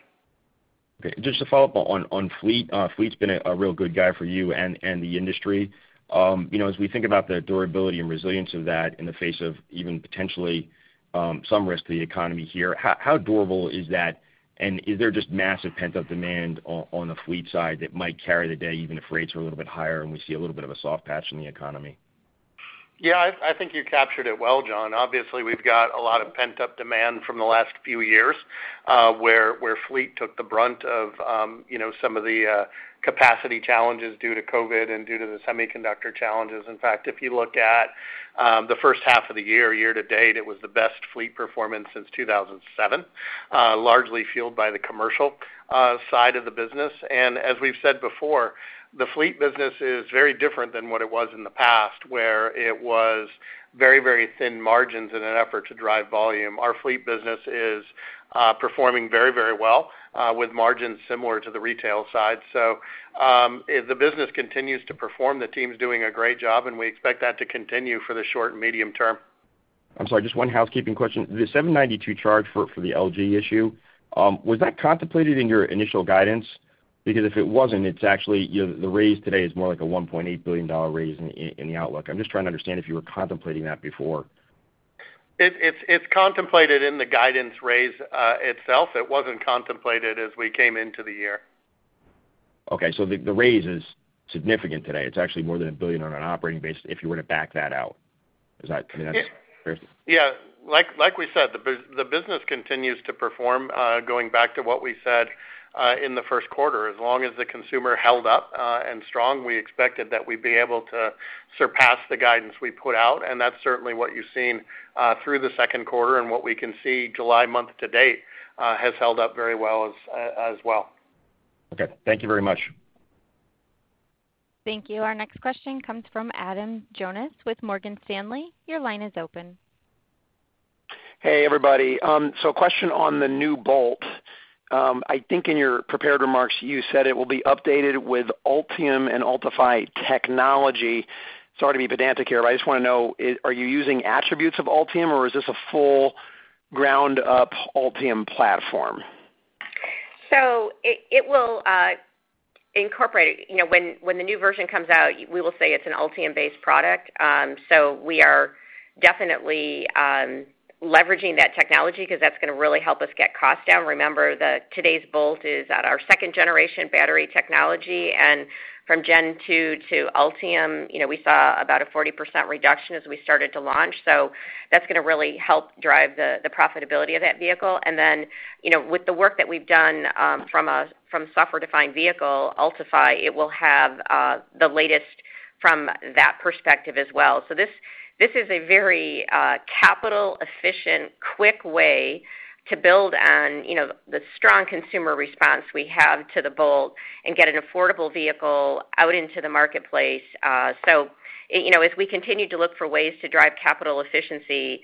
Just to follow up on fleet. Fleet's been a real good guy for you and the industry. you know, as we think about the durability and resilience of that in the face of even potentially, some risk to the economy here, how durable is that? Is there just massive pent-up demand on the fleet side that might carry the day, even if rates are a little bit higher and we see a little bit of a soft patch in the economy? Yeah, I think you captured it well, John. Obviously, we've got a lot of pent-up demand from the last few years, where fleet took the brunt of, you know, some of the capacity challenges due to COVID and due to the semiconductor challenges. In fact, if you look at the first half of the year to date, it was the best fleet performance since 2007, largely fueled by the commercial side of the business. As we've said before, the fleet business is very different than what it was in the past, where it was very, very thin margins in an effort to drive volume. Our fleet business is performing very, very well, with margins similar to the retail side. The business continues to perform. The team's doing a great job, and we expect that to continue for the short and medium term. I'm sorry, just one housekeeping question. The $792 charge for the LG issue was that contemplated in your initial guidance? If it wasn't, it's actually, you know, the raise today is more like a $1.8 billion raise in the outlook. I'm just trying to understand if you were contemplating that before. It's contemplated in the guidance raise, itself. It wasn't contemplated as we came into the year. Okay, the raise is significant today. It's actually more than $1 billion on an operating basis if you were to back that out. Is that, I mean? Yeah. Like we said, the business continues to perform, going back to what we said, in the first quarter. As long as the consumer held up and strong, we expected that we'd be able to surpass the guidance we put out, and that's certainly what you've seen through the second quarter and what we can see July month to date has held up very well as well. Okay, thank you very much. Thank you. Our next question comes from Adam Jonas with Morgan Stanley. Your line is open. Hey, everybody. A question on the new Bolt. I think in your prepared remarks, you said it will be updated with Ultium and Ultifi technology. Sorry to be pedantic here, but I just want to know, are you using attributes of Ultium, or is this a full ground-up Ultium platform? It will incorporate. You know, when the new version comes out, we will say it's an Ultium-based product. We are definitely leveraging that technology because that's going to really help us get costs down. Remember, the today's Bolt is at our second-generation battery technology, and from Gen 2 to Ultium, you know, we saw about a 40% reduction as we started to launch. That's going to really help drive the profitability of that vehicle. You know, with the work that we've done, from software-defined vehicle, Ultifi, it will have the latest from that perspective as well. This is a very capital-efficient, quick way to build on, you know, the strong consumer response we have to the Bolt and get an affordable vehicle out into the marketplace. You know, as we continue to look for ways to drive capital efficiency,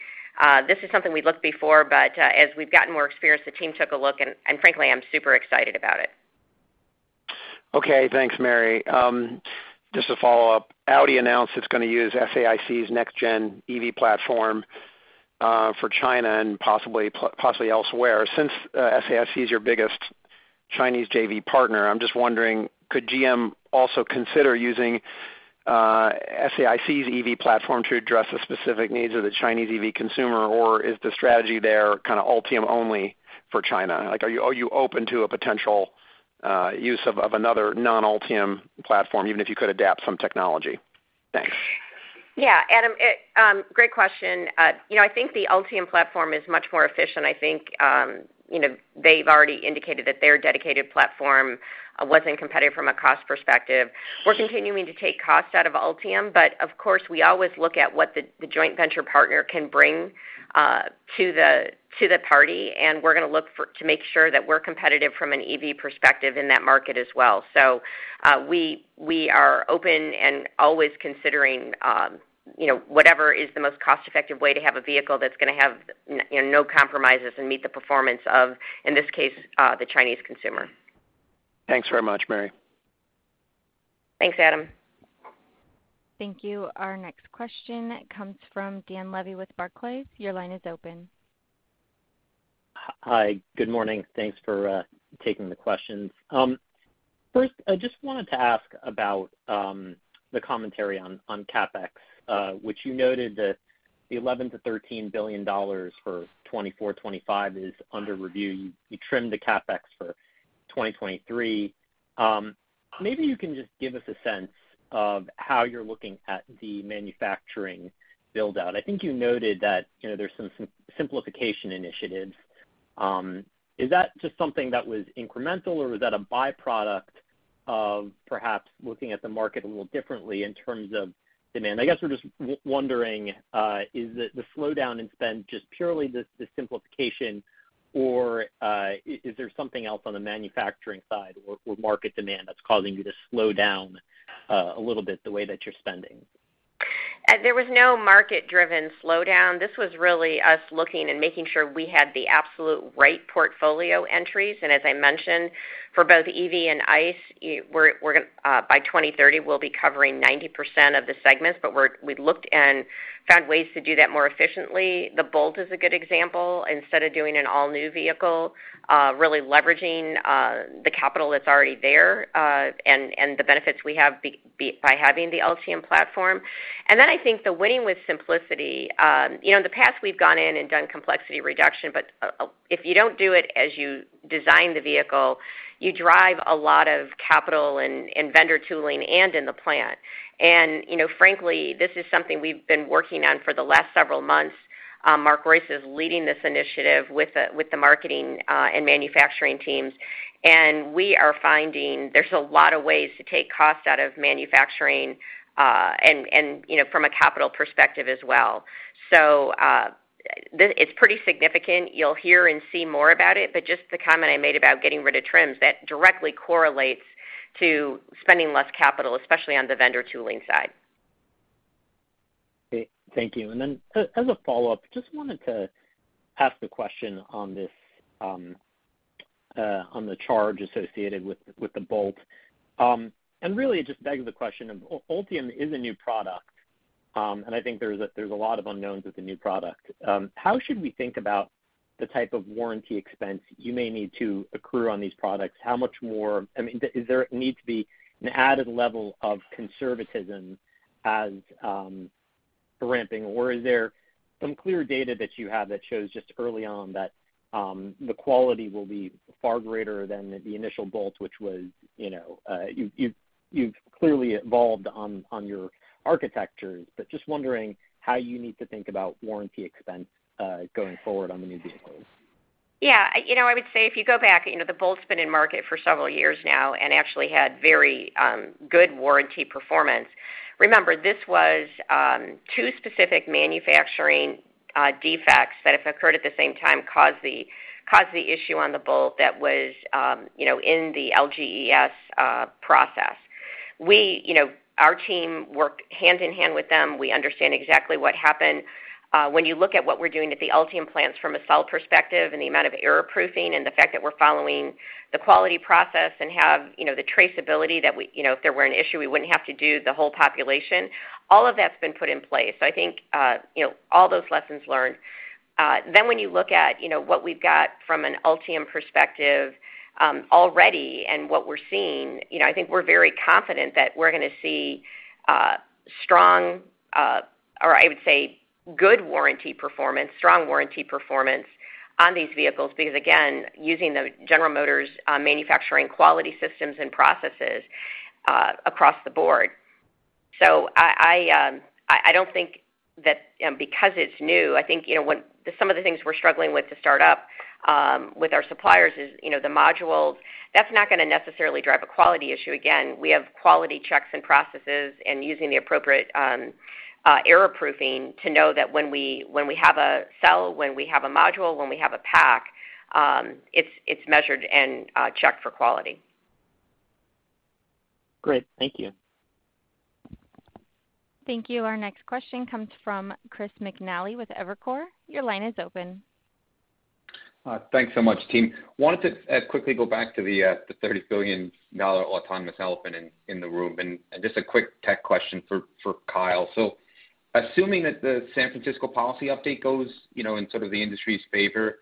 this is something we looked before, but as we've gotten more experience, the team took a look, and frankly, I'm super excited about it. Okay, thanks, Mary. Just to follow up, Audi announced it's going to use SAIC's next-gen EV platform for China and possibly elsewhere. Since SAIC is your biggest Chinese JV partner, I'm just wondering, could GM also consider using SAIC's EV platform to address the specific needs of the Chinese EV consumer? Is the strategy there kind of Ultium only for China? Are you open to a potential use of another non-Ultium platform, even if you could adapt some technology? Thanks. Yeah, Adam, it, great question. you know, I think the Ultium platform is much more efficient. I think, you know, they've already indicated that their dedicated platform wasn't competitive from a cost perspective. We're continuing to take cost out of Ultium, but of course, we always look at what the joint venture partner can bring to the party, and we're going to look to make sure that we're competitive from an EV perspective in that market as well. we are open and always considering, you know, whatever is the most cost-effective way to have a vehicle that's going to have you know, no compromises and meet the performance of, in this case, the Chinese consumer. Thanks very much, Mary. Thanks, Adam. Thank you. Our next question comes from Dan Levy with Barclays. Your line is open. Hi. Good morning. Thanks for taking the questions. First, I just wanted to ask about the commentary on CapEx, which you noted that the $11 billion-$13 billion for 2024, 2025 is under review. You trimmed the CapEx for 2023. Maybe you can just give us a sense of how you're looking at the manufacturing build-out. I think you noted that, you know, there's some simplification initiatives. Is that just something that was incremental, or was that a by-product of perhaps looking at the market a little differently in terms of demand? I guess we're just wondering, is the slowdown in spend just purely just the simplification, or is there something else on the manufacturing side or market demand that's causing you to slow down a little bit, the way that you're spending? There was no market-driven slowdown. This was really us looking and making sure we had the absolute right portfolio entries. As I mentioned, for both EV and ICE, we're gonna, by 2030, we'll be covering 90% of the segments, but we've looked and found ways to do that more efficiently. The Bolt is a good example. Instead of doing an all-new vehicle, really leveraging the capital that's already there, and the benefits we have by having the Ultium platform. I think the winning with simplicity, you know, in the past, we've gone in and done complexity reduction, but if you don't do it as you design the vehicle, you drive a lot of capital and vendor tooling and in the plant. You know, frankly, this is something we've been working on for the last several months. Mark Reuss is leading this initiative with the marketing and manufacturing teams. We are finding there's a lot of ways to take cost out of manufacturing and, you know, from a capital perspective as well. It's pretty significant. You'll hear and see more about it, but just the comment I made about getting rid of trims, that directly correlates to spending less capital, especially on the vendor tooling side. Great. Thank you. As a follow-up, just wanted to ask a question on this on the charge associated with the Bolt. Really it just begs the question of, Ultium is a new product, I think there's a lot of unknowns with the new product. How should we think about the type of warranty expense you may need to accrue on these products? How much more... I mean, is there need to be an added level of conservatism as the ramping, or is there some clear data that you have that shows just early on that the quality will be far greater than the initial Bolt, which was, you know, you've clearly evolved on your architectures? Just wondering how you need to think about warranty expense, going forward on the new vehicles? Yeah. You know, I would say if you go back, you know, the Bolt's been in market for several years now and actually had very good warranty performance. Remember, this was two specific manufacturing defects that, if occurred at the same time, caused the issue on the Bolt that was, you know, in the LGES process. We, you know, our team worked hand-in-hand with them. We understand exactly what happened. When you look at what we're doing at the Ultium plants from a cell perspective and the amount of error-proofing and the fact that we're following the quality process and have, you know, the traceability that we, you know, if there were an issue, we wouldn't have to do the whole population, all of that's been put in place. I think, you know, all those lessons learned. When you look at, you know, what we've got from an Ultium perspective, already and what we're seeing, you know, I think we're very confident that we're gonna see strong, or I would say, good warranty performance, strong warranty performance on these vehicles, because, again, using the General Motors manufacturing quality systems and processes across the board. I don't think that because it's new, I think, you know, when some of the things we're struggling with to start up with our suppliers is, you know, the modules. That's not gonna necessarily drive a quality issue. We have quality checks and processes and using the appropriate error-proofing to know that when we have a cell, when we have a module, when we have a pack, it's measured and checked for quality. Great. Thank you. Thank you. Our next question comes from Chris McNally with Evercore. Your line is open. Thanks so much, team. Wanted to quickly go back to the $30 billion autonomous elephant in the room. Just a quick tech question for Kyle. Assuming that the San Francisco policy update goes, you know, in sort of the industry's favor,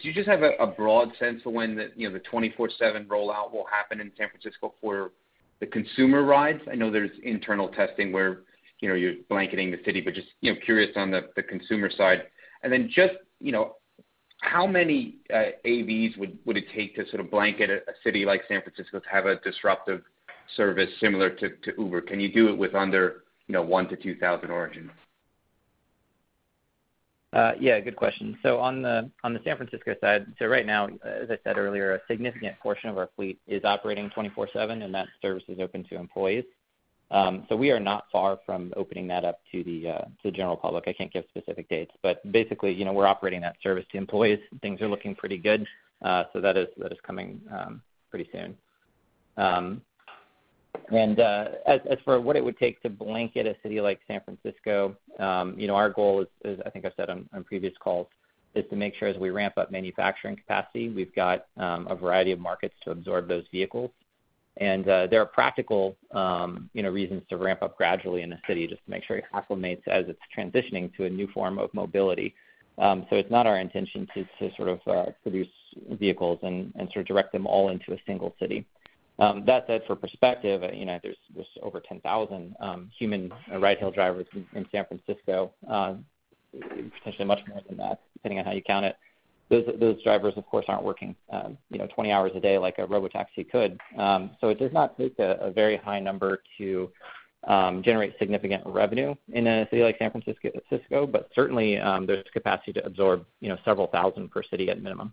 do you just have a broad sense of when the, you know, the 24/7 rollout will happen in San Francisco for the consumer rides? I know there's internal testing where, you know, you're blanketing the city, but just, you know, curious on the consumer side. Then just, you know, how many AVs would it take to sort of blanket a city like San Francisco to have a disruptive service similar to Uber? Can you do it with under, you know, 1,000-2,000 Origins? Yeah, good question. On the San Francisco side, right now, as I said earlier, a significant portion of our fleet is operating 24/7, and that service is open to employees. We are not far from opening that up to the general public. I can't give specific dates, but basically, you know, we're operating that service to employees. Things are looking pretty good. That is, that is coming pretty soon. As for what it would take to blanket a city like San Francisco, you know, our goal is, I think I've said on previous calls, is to make sure as we ramp up manufacturing capacity, we've got a variety of markets to absorb those vehicles. There are practical, you know, reasons to ramp up gradually in a city just to make sure it acclimates as it's transitioning to a new form of mobility. It's not our intention to sort of produce vehicles and sort of direct them all into a single city. That said, for perspective, you know, there's over 10,000 human ride-hail drivers in San Francisco.... potentially much more than that, depending on how you count it. Those drivers, of course, aren't working, you know, 20 hours a day like a robotaxi could. It does not take a very high number to, generate significant revenue in a city like San Francisco, but certainly, there's capacity to absorb, you know, several thousand per city at minimum.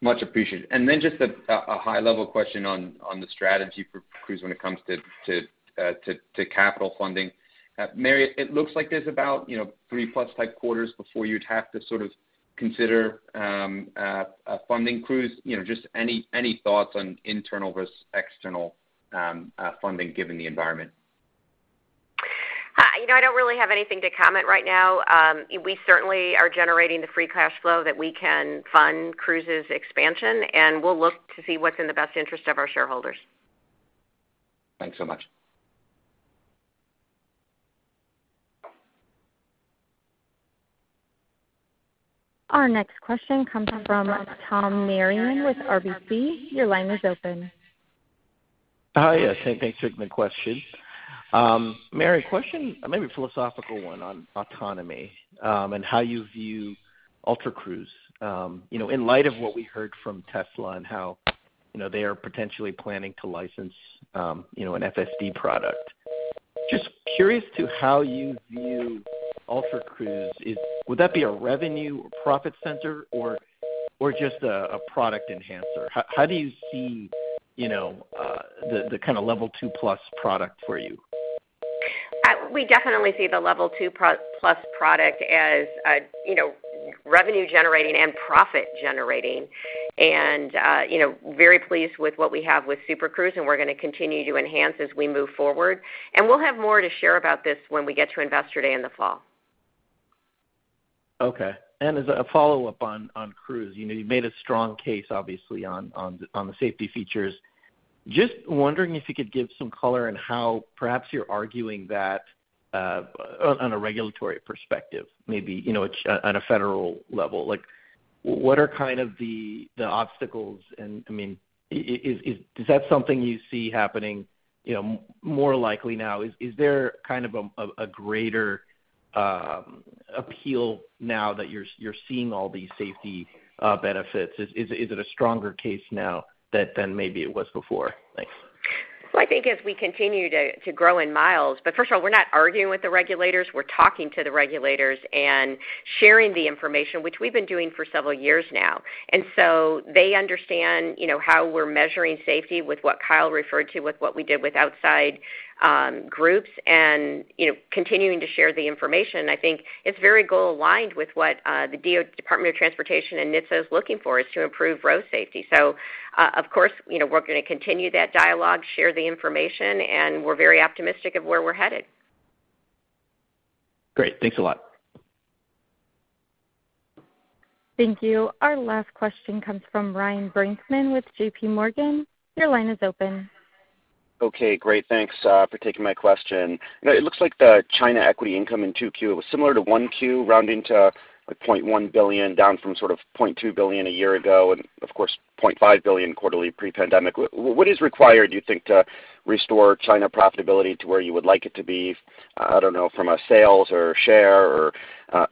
Much appreciated. Then just a high-level question on the strategy for Cruise when it comes to capital funding. Mary, it looks like there's about, you know, 3+ type quarters before you'd have to sort of consider a funding Cruise. You know, just any thoughts on internal versus external funding, given the environment? Hi, you know, I don't really have anything to comment right now. We certainly are generating the free cash flow that we can fund Cruise's expansion, and we'll look to see what's in the best interest of our shareholders. Thanks so much. Our next question comes from Tom Narayan with RBC. Your line is open. Hi, yes, thanks for the question. Mary, question, maybe a philosophical one on autonomy, and how you view Ultra Cruise. You know, in light of what we heard from Tesla and how, you know, they are potentially planning to license, you know, an FSD product. Just curious to how you view Ultra Cruise. Would that be a revenue or profit center or just a product enhancer? How do you see, you know, the kind of level two-plus product for you? We definitely see the level two pro- plus product as a, you know, revenue-generating and profit-generating, and, you know, very pleased with what we have with Super Cruise, and we're going to continue to enhance as we move forward. We'll have more to share about this when we get to Investor Day in the fall. Okay. As a follow-up on Cruise, you know, you made a strong case, obviously, on the safety features. Just wondering if you could give some color on how perhaps you're arguing that on a regulatory perspective, maybe, you know, at a federal level. Like, what are kind of the obstacles and, I mean, Does that something you see happening, you know, more likely now? Is there kind of a greater appeal now that you're seeing all these safety benefits? Is it a stronger case now than maybe it was before? Thanks. I think as we continue to grow in miles. First of all, we're not arguing with the regulators. We're talking to the regulators and sharing the information, which we've been doing for several years now. They understand, you know, how we're measuring safety with what Kyle referred to, with what we did with outside groups and, you know, continuing to share the information. I think it's very goal-aligned with what the Department of Transportation and NHTSA is looking for, is to improve road safety. Of course, you know, we're going to continue that dialogue, share the information, and we're very optimistic of where we're headed. Great. Thanks a lot. Thank you. Our last question comes from Ryan Brinkman with JPMorgan. Your line is open. Okay, great. Thanks for taking my question. You know, it looks like the China equity income in 2Q was similar to 1Q, rounding to, like, $0.1 billion, down from sort of $0.2 billion a year ago, and of course, $0.5 billion quarterly pre-pandemic. What is required, do you think, to restore China profitability to where you would like it to be, I don't know, from a sales or share or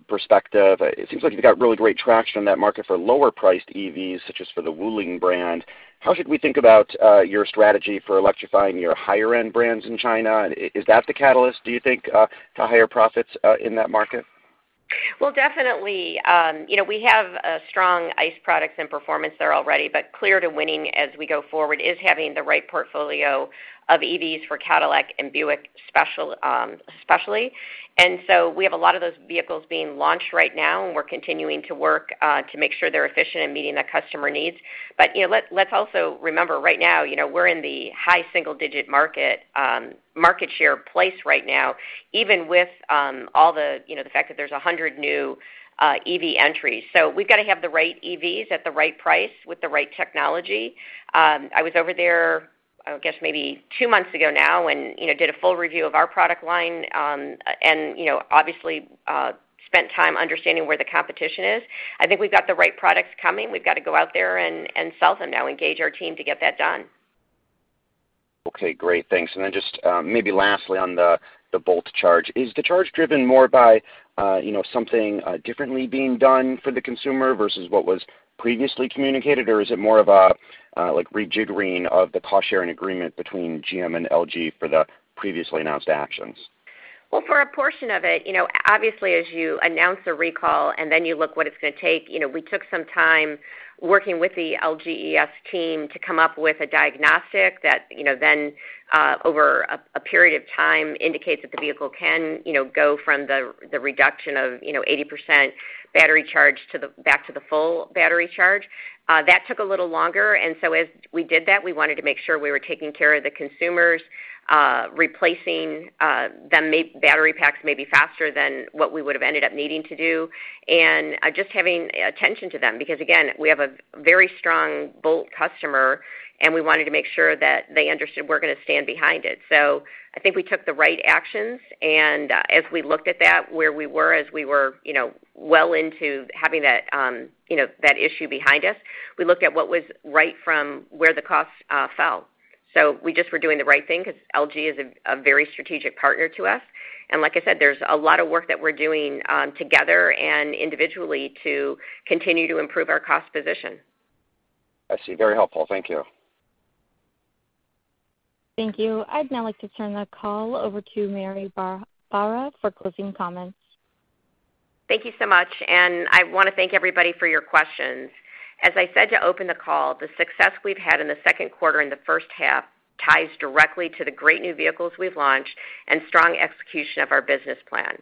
perspective? It seems like you've got really great traction in that market for lower-priced EVs, such as for the Wuling brand. How should we think about your strategy for electrifying your higher-end brands in China? Is that the catalyst, do you think, to higher profits in that market? Well, definitely. You know, we have a strong ICE products and performance there already, but clear to winning as we go forward is having the right portfolio of EVs for Cadillac and Buick especially. We have a lot of those vehicles being launched right now, and we're continuing to work to make sure they're efficient in meeting the customer needs. You know, let's also remember right now, you know, we're in the high single-digit market market share place right now, even with all the, you know, the fact that there's 100 new EV entries. We've got to have the right EVs at the right price with the right technology. I was over there, I guess, maybe two months ago now, and, you know, did a full review of our product line, and, you know, obviously, spent time understanding where the competition is. I think we've got the right products coming. We've got to go out there and sell them now, engage our team to get that done. Okay, great. Thanks. Then just, maybe lastly on the Bolt charge. Is the charge driven more by, you know, something, differently being done for the consumer versus what was previously communicated, or is it more of a, like, rejiggering of the cost-sharing agreement between GM and LG for the previously announced actions? Well, for a portion of it, you know, obviously, as you announce a recall and then you look what it's going to take, you know, we took some time working with the LGES team to come up with a diagnostic that, you know, then, over a period of time, indicates that the vehicle can, you know, go from the reduction of, you know, 80% battery charge to the back to the full battery charge. That took a little longer. As we did that, we wanted to make sure we were taking care of the consumers, replacing the battery packs maybe faster than what we would have ended up needing to do. Just having attention to them, because, again, we have a very strong Bolt customer, and we wanted to make sure that they understood we're going to stand behind it. I think we took the right actions, as we looked at that, where we were as we were, you know, well into having that, you know, that issue behind us, we looked at what was right from where the costs fell. We just were doing the right thing because LG is a very strategic partner to us. Like I said, there's a lot of work that we're doing together and individually to continue to improve our cost position. I see. Very helpful. Thank you. Thank you. I'd now like to turn the call over to Mary Barra for closing comments. Thank you so much. I want to thank everybody for your questions. As I said to open the call, the success we've had in the second quarter and the first half ties directly to the great new vehicles we've launched and strong execution of our business plan.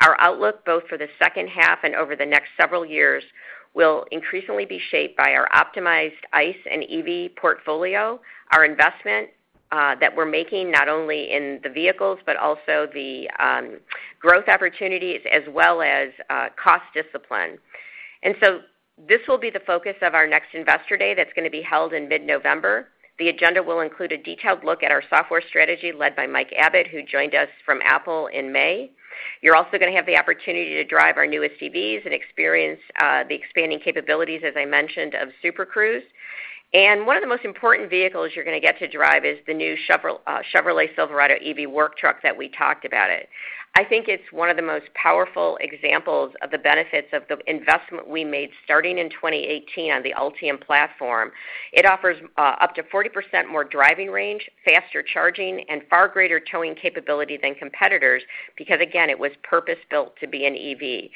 Our outlook, both for the second half and over the next several years, will increasingly be shaped by our optimized ICE and EV portfolio, our investment that we're making not only in the vehicles but also the growth opportunities, as well as cost discipline. This will be the focus of our next Investor Day that's gonna be held in mid-November. The agenda will include a detailed look at our software strategy, led by Mike Abbott, who joined us from Apple in May. You're also gonna have the opportunity to drive our newest EVs and experience the expanding capabilities, as I mentioned, of Super Cruise. One of the most important vehicles you're gonna get to drive is the new Chevrolet Silverado EV work truck that we talked about it. I think it's one of the most powerful examples of the benefits of the investment we made starting in 2018 on the Ultium platform. It offers up to 40% more driving range, faster charging, and far greater towing capability than competitors, because, again, it was purpose-built to be an EV.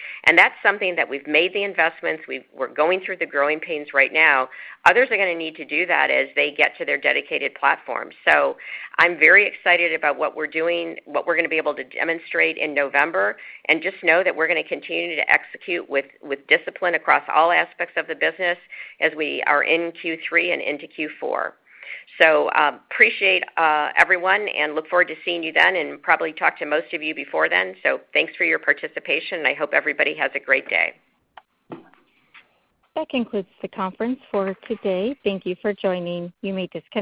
That's something that we've made the investments. We're going through the growing pains right now. Others are gonna need to do that as they get to their dedicated platform. I'm very excited about what we're doing, what we're going to be able to demonstrate in November, and just know that we're going to continue to execute with discipline across all aspects of the business as we are in Q3 and into Q4. Appreciate everyone, and look forward to seeing you then, and probably talk to most of you before then. Thanks for your participation, and I hope everybody has a great day. That concludes the conference for today. Thank Thank you for joining. You may disconnect.